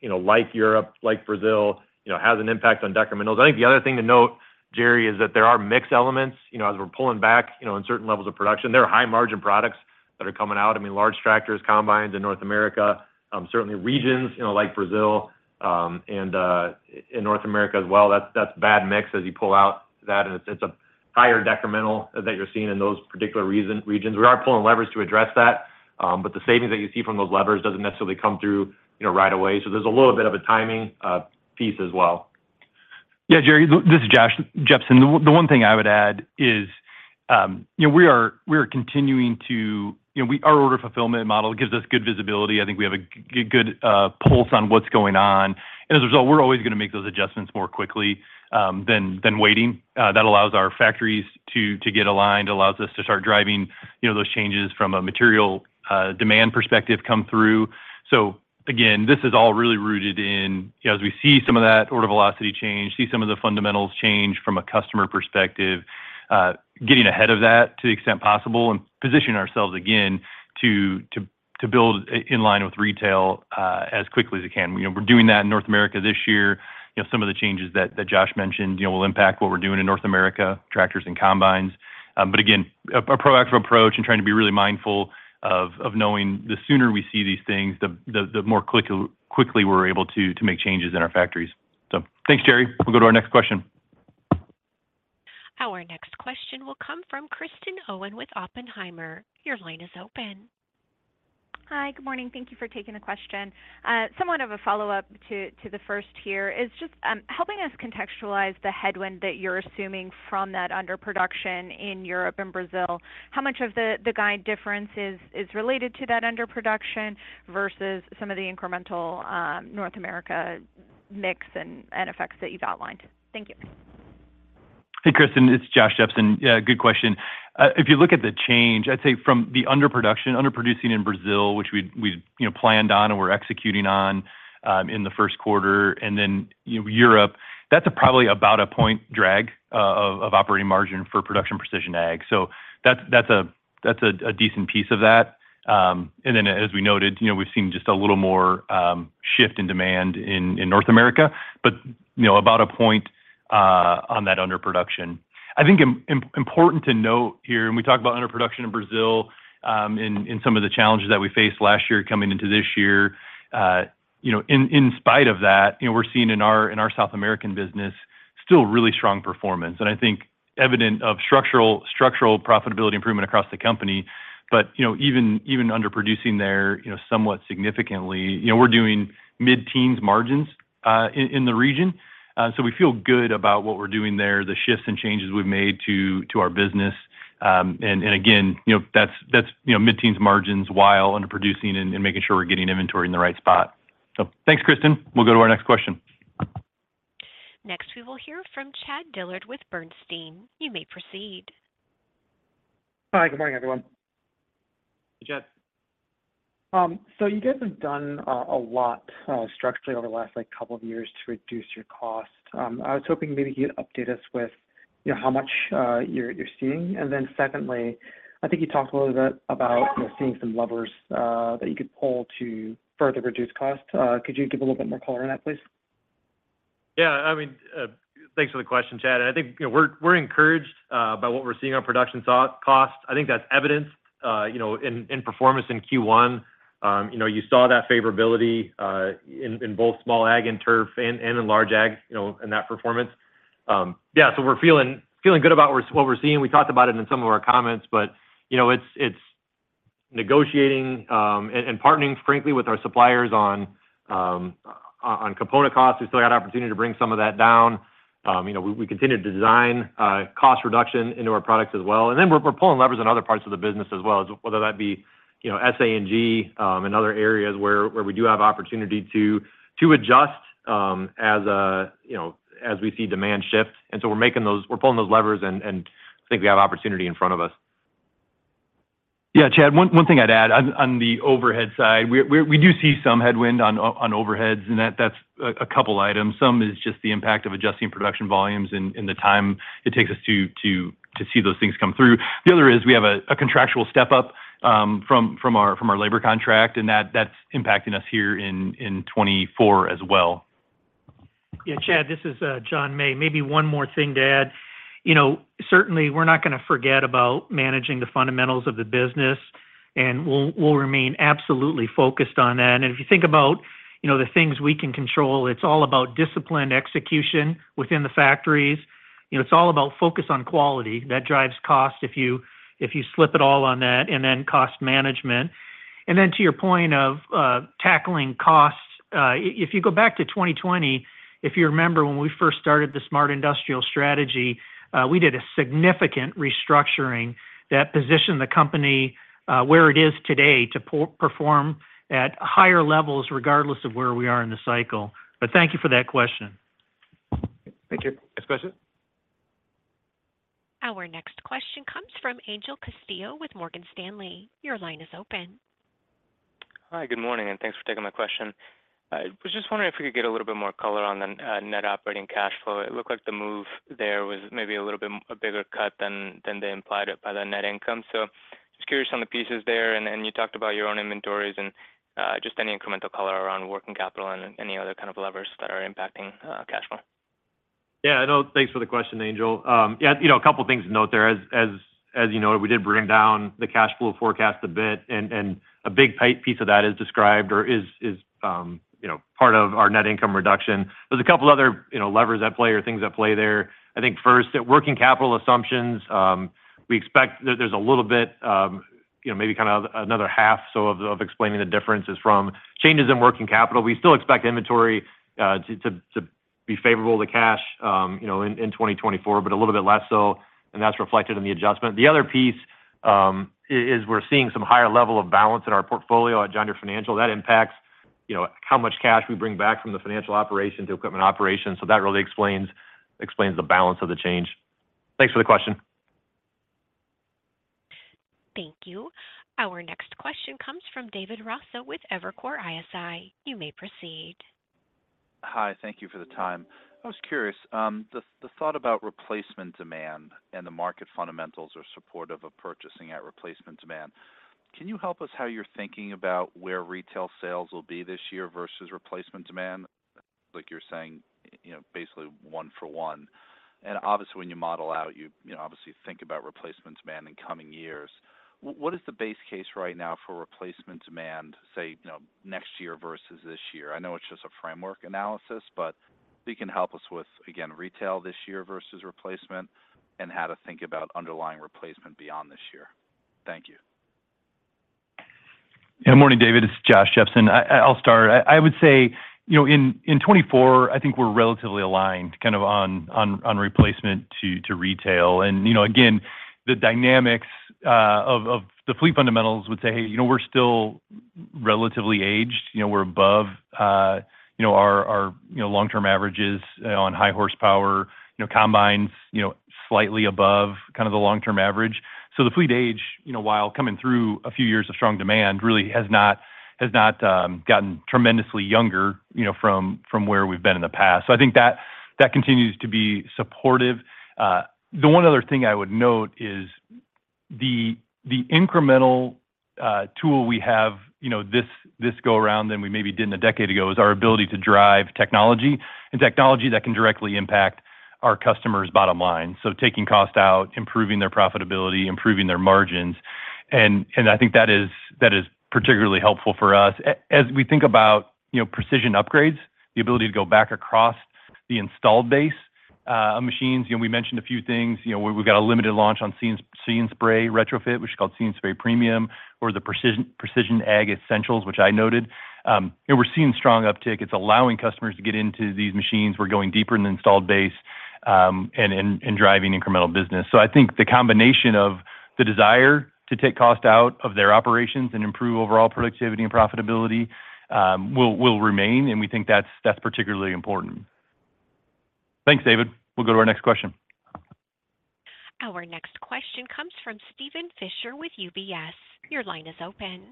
you know, like Europe, like Brazil, you know, has an impact on decrementals. I think the other thing to note, Jerry, is that there are mixed elements, you know, as we're pulling back, you know, on certain levels of production. There are high-margin products that are coming out. I mean, large tractors, combines in North America, certainly regions, you know, like Brazil, and in North America as well. That's bad mix as you pull out that, and it's a higher decremental that you're seeing in those particular regions. We are pulling levers to address that, but the savings that you see from those levers doesn't necessarily come through, you know, right away. So there's a little bit of a timing piece as well. Yeah, Jerry, this is Josh Jepsen. The one thing I would add is, you know, we are continuing to... You know, our order fulfillment model gives us good visibility. I think we have a good pulse on what's going on, and as a result, we're always gonna make those adjustments more quickly than waiting. That allows our factories to get aligned, allows us to start driving, you know, those changes from a material demand perspective come through. So again, this is all really rooted in, you know, as we see some of that order velocity change, see some of the fundamentals change from a customer perspective, getting ahead of that to the extent possible and positioning ourselves again, to build in line with retail, as quickly as we can. You know, we're doing that in North America this year. You know, some of the changes that Josh mentioned, you know, will impact what we're doing in North America, tractors and combines. But again, a proactive approach and trying to be really mindful of knowing the sooner we see these things, the more quickly we're able to make changes in our factories. So thanks, Jerry. We'll go to our next question. Our next question will come from Kristen Owen with Oppenheimer. Your line is open. Hi, good morning. Thank you for taking the question. Somewhat of a follow-up to the first here is just helping us contextualize the headwind that you're assuming from that underproduction in Europe and Brazil. How much of the guide difference is related to that underproduction versus some of the incremental North America mix and effects that you've outlined? Thank you. Hey, Kristen, it's Josh Jepsen. Yeah, good question. If you look at the change, I'd say from the underproducing in Brazil, which we'd, you know, planned on and we're executing on in the first quarter, and then, you know, Europe, that's probably about a point drag of operating margin for Production & Precision Ag. So that's a decent piece of that. And then as we noted, you know, we've seen just a little more shift in demand in North America, but, you know, about a point on that underproduction. I think important to note here, and we talked about underproduction in Brazil in some of the challenges that we faced last year coming into this year. You know, in spite of that, you know, we're seeing in our South American business still really strong performance. And I think evident of structural profitability improvement across the company, but, you know, even underproducing there, you know, somewhat significantly. You know, we're doing mid-teens margins in the region. So we feel good about what we're doing there, the shifts and changes we've made to our business. And again, you know, that's mid-teens margins while underproducing and making sure we're getting inventory in the right spot. So thanks, Kristen. We'll go to our next question. Next, we will hear from Chad Dillard with Bernstein. You may proceed. Hi, good morning, everyone. Hey, Chad. So you guys have done a lot structurally over the last, like, couple of years to reduce your costs. I was hoping maybe you'd update us with, you know, how much you're seeing. And then secondly, I think you talked a little bit about, you know, seeing some levers that you could pull to further reduce costs. Could you give a little bit more color on that, please? Yeah, I mean, thanks for the question, Chad. I think, you know, we're encouraged by what we're seeing on production cost. I think that's evidenced, you know, in performance in Q1. You know, you saw that favorability in both Small Ag and Turf and in Large Ag, you know, in that performance. Yeah, so we're feeling good about what we're seeing. We talked about it in some of our comments, but, you know, it's negotiating and partnering, frankly, with our suppliers on component costs. We still got opportunity to bring some of that down. You know, we continue to design cost reduction into our products as well. And then we're pulling levers in other parts of the business as well, whether that be, you know, SA&G, and other areas where we do have opportunity to adjust, as you know, as we see demand shift. And so we're making those, we're pulling those levers, and I think we have opportunity in front of us. Yeah, Chad, one thing I'd add on the overhead side, we do see some headwind on overheads, and that's a couple items. Some is just the impact of adjusting production volumes and the time it takes us to see those things come through. The other is we have a contractual step up from our labor contract, and that's impacting us here in 2024 as well.... Yeah, Chad, this is, John May. Maybe one more thing to add. You know, certainly, we're not gonna forget about managing the fundamentals of the business, and we'll, we'll remain absolutely focused on that. And if you think about, you know, the things we can control, it's all about disciplined execution within the factories. You know, it's all about focus on quality. That drives cost if you, if you slip at all on that, and then cost management. And then to your point of tackling costs, if you go back to 2020, if you remember, when we first started the Smart Industrial strategy, we did a significant restructuring that positioned the company, where it is today to perform at higher levels, regardless of where we are in the cycle. But thank you for that question. Thank you. Next question? Our next question comes from Angel Castillo with Morgan Stanley. Your line is open. Hi, good morning, and thanks for taking my question. I was just wondering if we could get a little bit more color on the net operating cash flow. It looked like the move there was maybe a little bit a bigger cut than they implied it by the net income. So just curious on the pieces there, and you talked about your own inventories, and just any incremental color around working capital and any other kind of levers that are impacting cash flow. Yeah, I know. Thanks for the question, Angel. Yeah, you know, a couple things to note there. As you know, we did bring down the cash flow forecast a bit, and a big piece of that is described or is you know part of our net income reduction. There's a couple other, you know, levers at play or things at play there. I think first, at working capital assumptions, we expect there, there's a little bit, you know, maybe kind of another half so of explaining the differences from changes in working capital. We still expect inventory to be favorable to cash, you know, in 2024, but a little bit less so, and that's reflected in the adjustment. The other piece is we're seeing some higher level of balance in our portfolio at John Deere Financial. That impacts, you know, how much cash we bring back from the financial operation to equipment operations. So that really explains, explains the balance of the change. Thanks for the question. Thank you. Our next question comes from David Rasso with Evercore ISI. You may proceed. Hi, thank you for the time. I was curious, the thought about replacement demand and the market fundamentals are supportive of purchasing at replacement demand. Can you help us how you're thinking about where retail sales will be this year versus replacement demand? Like, you're saying, you know, basically one for one. And obviously, when you model out, you obviously think about replacement demand in coming years. What is the base case right now for replacement demand, say, you know, next year versus this year? I know it's just a framework analysis, but if you can help us with, again, retail this year versus replacement, and how to think about underlying replacement beyond this year. Thank you. Yeah, morning, David. It's Josh Jepsen. I'll start. I would say, you know, in 2024, I think we're relatively aligned kind of on replacement to retail. And, you know, again, the dynamics of the fleet fundamentals would say, "Hey, you know, we're still relatively aged. You know, we're above, you know, our long-term averages on high horsepower. You know, combines, you know, slightly above kind of the long-term average." So the fleet age, you know, while coming through a few years of strong demand, really has not gotten tremendously younger, you know, from where we've been in the past. So I think that continues to be supportive. The one other thing I would note is the incremental tool we have, you know, this go-round than we maybe did in a decade ago, is our ability to drive technology and technology that can directly impact our customers' bottom line. So taking cost out, improving their profitability, improving their margins, and I think that is particularly helpful for us. As we think about, you know, precision upgrades, the ability to go back across the installed base of machines, you know, we mentioned a few things. You know, we've got a limited launch on See & Spray retrofit, which is called See & Spray Premium, or the Precision Ag Essentials, which I noted. And we're seeing strong uptick. It's allowing customers to get into these machines. We're going deeper in the installed base and driving incremental business. I think the combination of the desire to take cost out of their operations and improve overall productivity and profitability will remain, and we think that's particularly important. Thanks, David. We'll go to our next question. Our next question comes from Steven Fisher with UBS. Your line is open.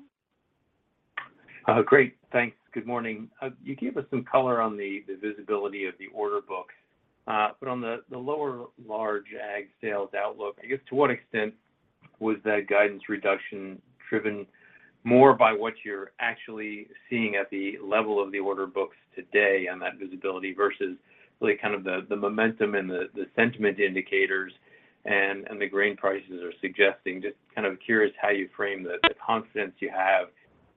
Great. Thanks. Good morning. You gave us some color on the visibility of the order book, but on the lower large ag sales outlook, I guess, to what extent was that guidance reduction driven more by what you're actually seeing at the level of the order books today and that visibility versus really kind of the momentum and the sentiment indicators and the grain prices are suggesting? Just kind of curious how you frame the confidence you have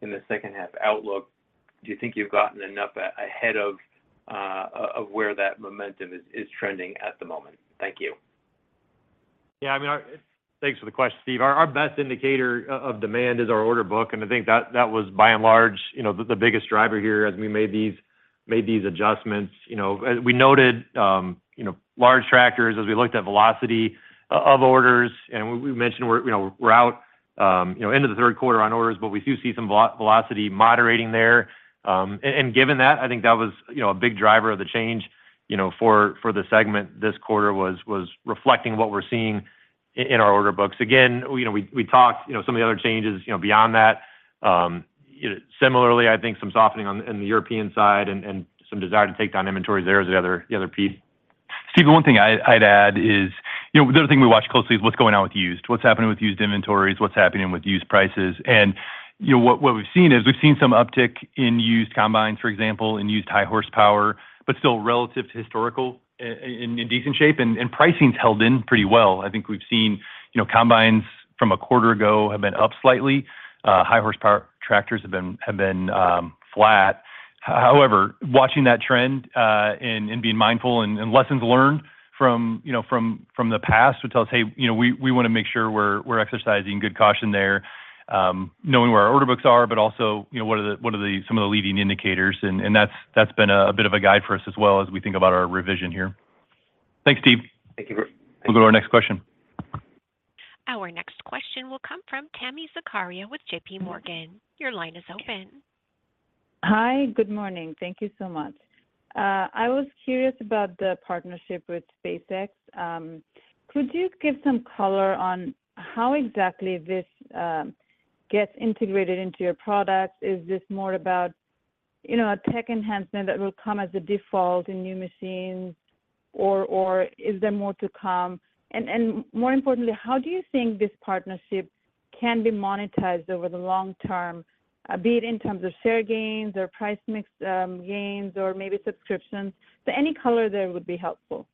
in the second half outlook. Do you think you've gotten enough ahead of where that momentum is trending at the moment? Thank you. Yeah, I mean, thanks for the question, Steve. Our best indicator of demand is our order book, and I think that was by and large, you know, the biggest driver here as we made these adjustments. You know, as we noted, you know, large tractors as we looked at velocity of orders, and we mentioned we're out into the third quarter on orders, but we do see some velocity moderating there. And given that, I think that was, you know, a big driver of the change, you know, for the segment this quarter was reflecting what we're seeing in our order books. Again, you know, we talked, you know, some of the other changes, you know, beyond that. Similarly, I think some softening in the European side and some desire to take down inventory there is the other piece. Steven, one thing I'd add is, you know, the other thing we watch closely is what's going on with used. What's happening with used inventories? What's happening with used prices? And, you know, what we've seen is we've seen some uptick in used combines, for example, and used high horsepower, but still relative to historical, in decent shape, and pricing's held in pretty well. I think we've seen, you know, combines from a quarter ago have been up slightly. High horsepower tractors have been flat. However, watching that trend, and being mindful and lessons learned from, you know, from the past, which tells us, "Hey, you know, we wanna make sure we're exercising good caution there," knowing where our order books are, but also, you know, what are some of the leading indicators, and that's been a bit of a guide for us as well as we think about our revision here. Thanks, Steve. Thank you very- We'll go to our next question. Our next question will come from Tami Zakaria with JP Morgan. Your line is open. Hi, good morning. Thank you so much. I was curious about the partnership with SpaceX. Could you give some color on how exactly this gets integrated into your product? Is this more about, you know, a tech enhancement that will come as a default in new machines, or is there more to come? And more importantly, how do you think this partnership can be monetized over the long term, be it in terms of share gains or price mix, gains, or maybe subscriptions? Any color there would be helpful.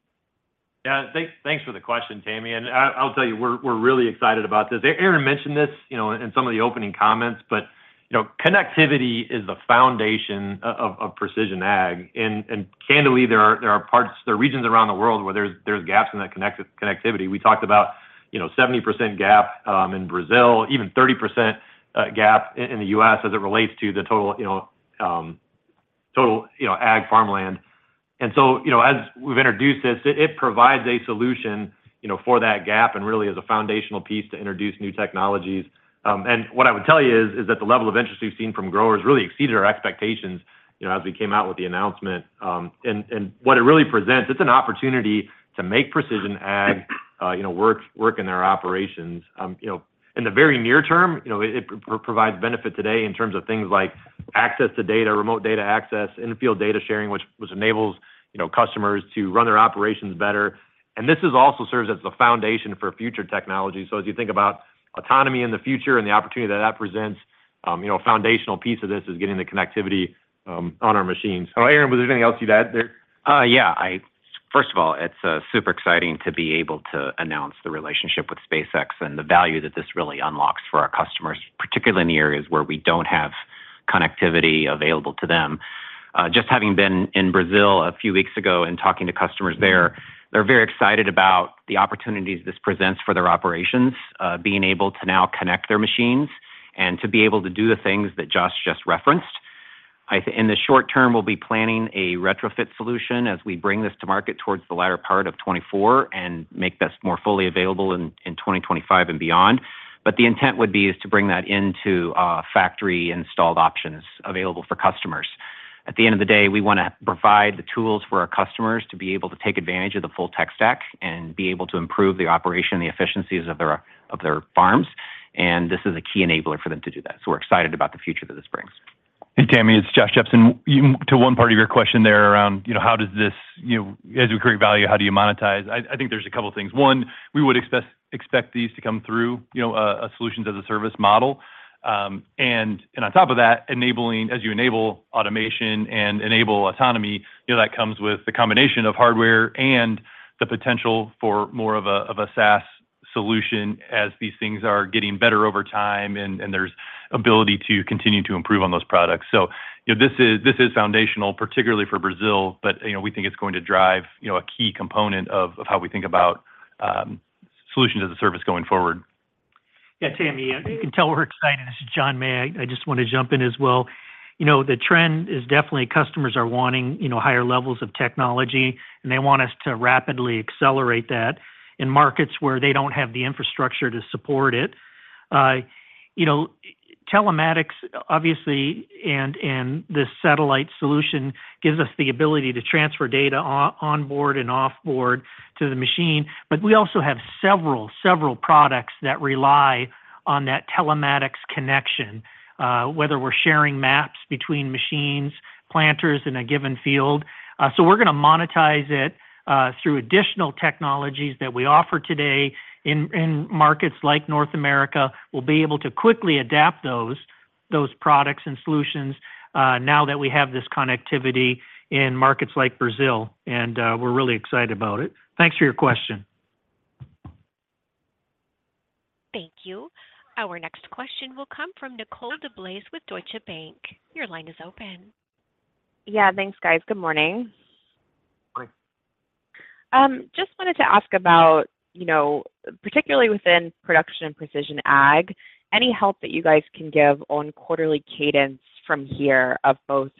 Yeah, thanks, thanks for the question, Tami, and I, I'll tell you, we're, we're really excited about this. Aaron mentioned this, you know, in some of the opening comments, but, you know, connectivity is the foundation of Precision Ag. And, candidly, there are regions around the world where there's gaps in that connectivity. We talked about, you know, 70% gap in Brazil, even 30% gap in the U.S. as it relates to the total, you know, total, you know, ag farmland. And so, you know, as we've introduced this, it provides a solution, you know, for that gap and really as a foundational piece to introduce new technologies. And what I would tell you is that the level of interest we've seen from growers really exceeded our expectations, you know, as we came out with the announcement. And what it really presents, it's an opportunity to make Precision Ag, you know, work in our operations. You know, in the very near term, you know, it provides benefit today in terms of things like access to data, remote data access, in-field data sharing, which enables, you know, customers to run their operations better. And this also serves as the foundation for future technology. So as you think about autonomy in the future and the opportunity that that presents, you know, a foundational piece of this is getting the connectivity on our machines. Oh, Aaron, was there anything else you'd add there? First of all, it's super exciting to be able to announce the relationship with SpaceX and the value that this really unlocks for our customers, particularly in the areas where we don't have connectivity available to them. Just having been in Brazil a few weeks ago and talking to customers there, they're very excited about the opportunities this presents for their operations, being able to now connect their machines and to be able to do the things that Josh just referenced. In the short term, we'll be planning a retrofit solution as we bring this to market towards the latter part of 2024 and make this more fully available in 2025 and beyond. But the intent would be is to bring that into factory-installed options available for customers. At the end of the day, we wanna provide the tools for our customers to be able to take advantage of the full tech stack and be able to improve the operation, the efficiencies of their farms, and this is a key enabler for them to do that. So we're excited about the future that this brings. Hey, Tami, it's Josh Jepsen. You- to one part of your question there around, you know, how does this... You know, as we create value, how do you monetize? I think there's a couple of things. One, we would expect these to come through, you know, a Solution to the Service model. And on top of that, enabling- as you enable automation and enable autonomy, you know, that comes with the combination of hardware and the potential for more of a SaaS solution as these things are getting better over time and there's ability to continue to improve on those products. So, you know, this is foundational, particularly for Brazil, but, you know, we think it's going to drive, you know, a key component of how we think about solution to the service going forward. Yeah, Tami, you can tell we're excited. This is John May. I just want to jump in as well. You know, the trend is definitely customers are wanting, you know, higher levels of technology, and they want us to rapidly accelerate that in markets where they don't have the infrastructure to support it. You know, telematics, obviously, and this satellite solution gives us the ability to transfer data on board and off board to the machine, but we also have several products that rely on that telematics connection, whether we're sharing maps between machines, planters in a given field. So we're gonna monetize it through additional technologies that we offer today in markets like North America. We'll be able to quickly adapt those, those products and solutions, now that we have this connectivity in markets like Brazil, and, we're really excited about it. Thanks for your question. Thank you. Our next question will come from Nicole DeBlase with Deutsche Bank. Your line is open. Yeah, thanks, guys. Good morning. Good morning. Just wanted to ask about, you know, particularly within production and precision ag, any help that you guys can give on quarterly cadence from here of both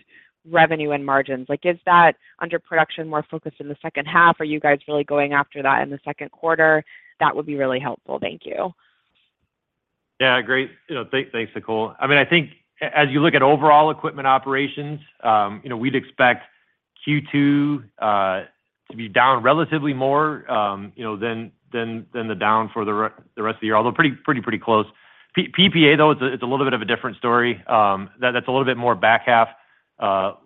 revenue and margins? Like, is that under production more focused in the second half? Are you guys really going after that in the second quarter? That would be really helpful. Thank you. Yeah, great. You know, thanks, Nicole. I mean, I think as you look at overall equipment operations, you know, we'd expect Q2 to be down relatively more, you know, than the down for the rest of the year, although pretty close. PPA, though, it's a little bit of a different story. That's a little bit more back half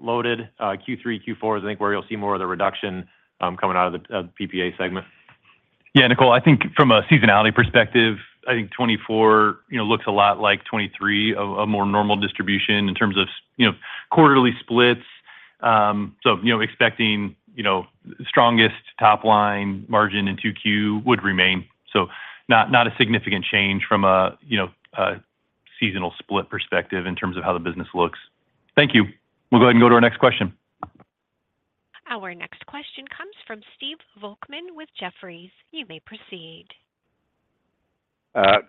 loaded. Q3, Q4 is I think where you'll see more of the reduction coming out of the PPA segment.... Yeah, Nicole, I think from a seasonality perspective, I think 2024, you know, looks a lot like 2023, a more normal distribution in terms of you know, quarterly splits. So, you know, expecting, you know, strongest top line margin in 2Q would remain. So not a significant change from a, you know, a seasonal split perspective in terms of how the business looks. Thank you. We'll go ahead and go to our next question. Our next question comes from Stephen Volkmann with Jefferies. You may proceed.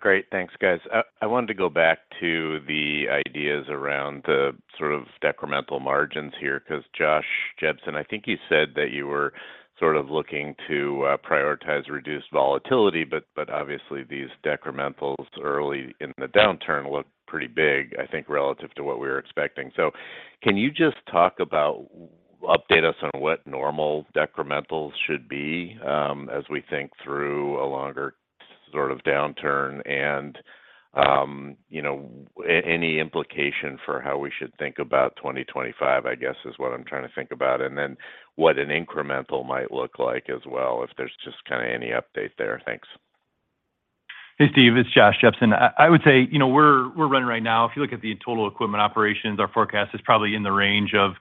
Great, thanks, guys. I wanted to go back to the ideas around the sort of decremental margins here, 'cause Josh Jepsen, I think you said that you were sort of looking to prioritize reduced volatility, but obviously these decrementals early in the downturn look pretty big, I think, relative to what we were expecting. So can you just talk about, update us on what normal decrementals should be, as we think through a longer sort of downturn? And, you know, any implication for how we should think about 2025, I guess, is what I'm trying to think about. And then what an incremental might look like as well, if there's just kinda any update there. Thanks. Hey, Steve, it's Josh Jepsen. I would say, you know, we're running right now. If you look at the total equipment operations, our forecast is probably in the range of,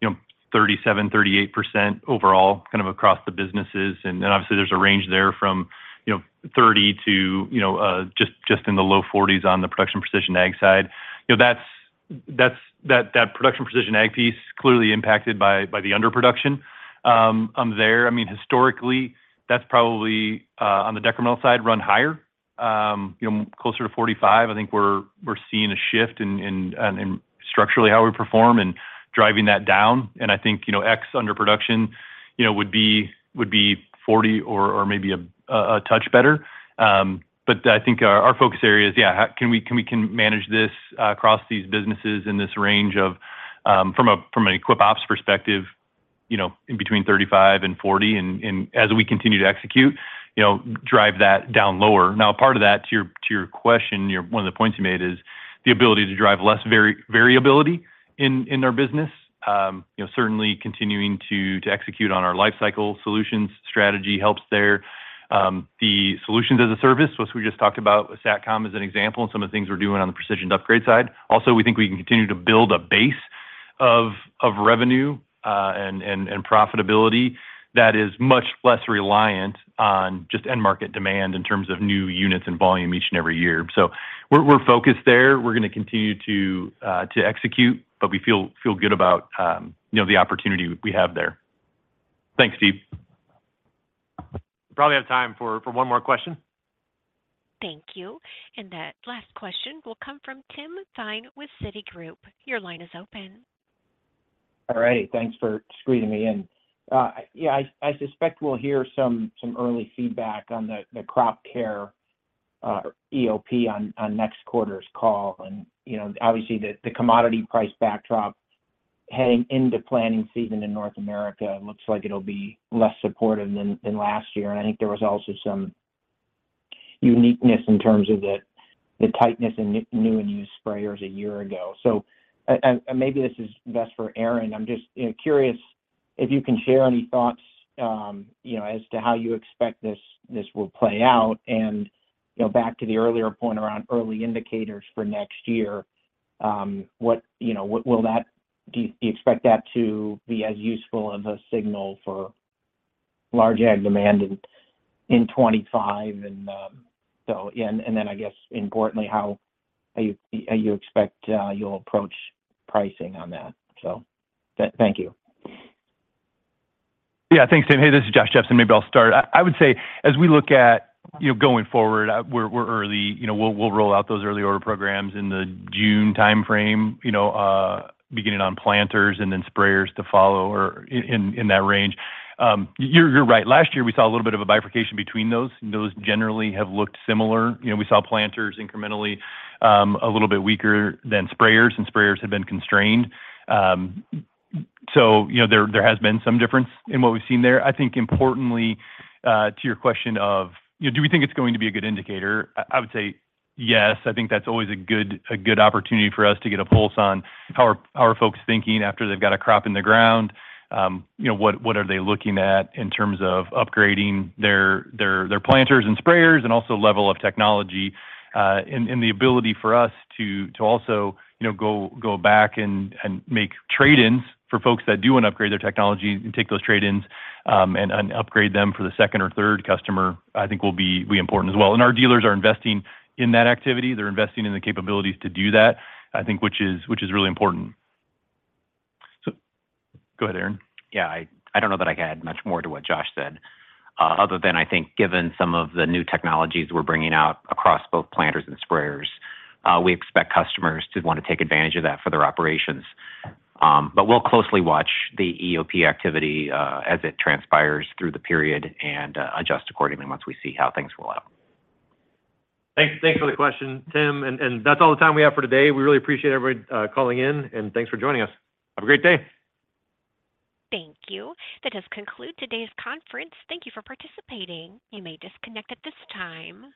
you know, 37-38% overall, kind of across the businesses. And then obviously, there's a range there from, you know, 30 to, you know, just in the low 40s on the Production Precision Ag side. You know, that's that Production Precision Ag piece clearly impacted by the underproduction there. I mean, historically, that's probably on the decremental side run higher, you know, closer to 45. I think we're seeing a shift in structurally how we perform and driving that down, and I think, you know, less underproduction would be 40 or maybe a touch better. But I think our focus area is, yeah, how can we manage this across these businesses in this range of, from an equip ops perspective, you know, in between 35 and 40, and as we continue to execute, you know, drive that down lower. Now, part of that, to your question, one of the points you made is the ability to drive less variability in our business. You know, certainly continuing to execute on our Lifecycle Solutions strategy helps there. The solutions as a service, which we just talked about, Satcom as an example, and some of the things we're doing on the precision upgrade side. Also, we think we can continue to build a base of revenue and profitability that is much less reliant on just end-market demand in terms of new units and volume each and every year. So we're focused there. We're gonna continue to execute, but we feel good about, you know, the opportunity we have there. Thanks, Steve. We probably have time for one more question. Thank you. And that last question will come from Timothy Thein with Citigroup. Your line is open. All right. Thanks for squeezing me in. I suspect we'll hear some early feedback on the Crop Care EOP on next quarter's call. You know, obviously, the commodity price backdrop heading into planning season in North America looks like it'll be less supportive than last year. I think there was also some uniqueness in terms of the tightness in new and used sprayers a year ago. Maybe this is best for Aaron. I'm just, you know, curious if you can share any thoughts, you know, as to how you expect this will play out. You know, back to the earlier point around early indicators for next year, what will that do? Do you expect that to be as useful of a signal for large ag demand in 25? Then I guess, importantly, how do you expect you'll approach pricing on that? So thank you. Yeah. Thanks, Tim. Hey, this is Josh Jepsen. Maybe I'll start. I would say, as we look at, you know, going forward, we're early. You know, we'll roll out those early order programs in the June timeframe, you know, beginning on planters and then sprayers to follow or in that range. You're right. Last year, we saw a little bit of a bifurcation between those. Those generally have looked similar. You know, we saw planters incrementally a little bit weaker than sprayers, and sprayers have been constrained. So, you know, there has been some difference in what we've seen there. I think importantly, to your question of, you know, do we think it's going to be a good indicator? I would say yes. I think that's always a good opportunity for us to get a pulse on how folks are thinking after they've got a crop in the ground. You know, what are they looking at in terms of upgrading their planters and sprayers, and also level of technology, and the ability for us to also, you know, go back and make trade-ins for folks that do want to upgrade their technology and take those trade-ins, and upgrade them for the second or third customer, I think will be important as well. And our dealers are investing in that activity. They're investing in the capabilities to do that, I think, which is really important. So go ahead, Aaron. Yeah, I don't know that I can add much more to what Josh said, other than I think given some of the new technologies we're bringing out across both planters and sprayers, we expect customers to want to take advantage of that for their operations. But we'll closely watch the EOP activity, as it transpires through the period and, adjust accordingly once we see how things roll out. Thanks. Thanks for the question, Tim, and that's all the time we have for today. We really appreciate everybody calling in, and thanks for joining us. Have a great day. Thank you. That has concluded today's conference. Thank you for participating. You may disconnect at this time.